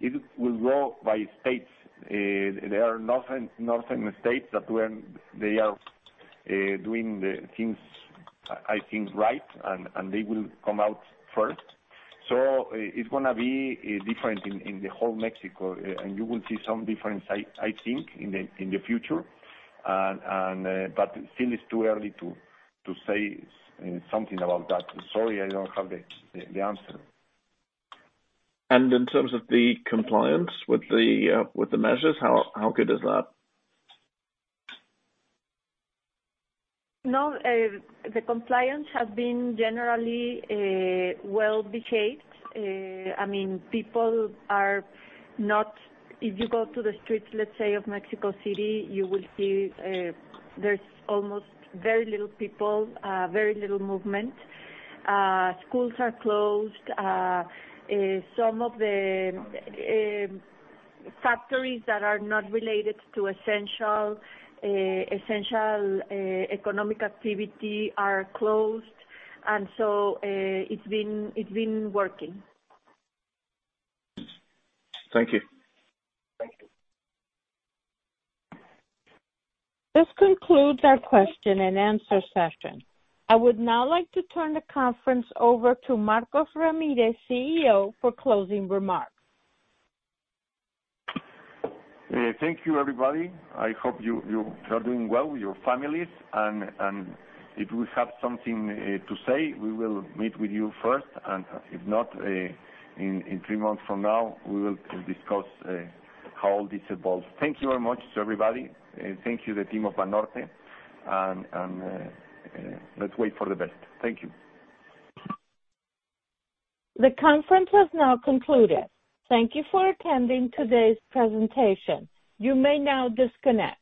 Speaker 3: it will go by states. There are northern states that they are doing the things, I think, right, and they will come out first. It's going to be different in the whole Mexico, and you will see some difference, I think, in the future. Still, it's too early to say something about that. Sorry, I don't have the answer.
Speaker 14: In terms of the compliance with the measures, how good is that?
Speaker 2: No, the compliance has been generally well-behaved. If you go to the streets, let's say, of Mexico City, you will see there is almost very little people, very little movement. Schools are closed. Some of the factories that are not related to essential economic activity are closed, and so it has been working.
Speaker 14: Thank you.
Speaker 3: Thank you.
Speaker 1: This concludes our question-and-answer session. I would now like to turn the conference over to Marcos Ramírez, CEO, for closing remarks.
Speaker 3: Thank you, everybody. I hope you are doing well with your families. If we have something to say, we will meet with you first. If not, in three months from now, we will discuss how this evolves. Thank you very much to everybody. Thank you, the team of Banorte, and let's wait for the best. Thank you.
Speaker 1: The conference has now concluded. Thank you for attending today's presentation. You may now disconnect.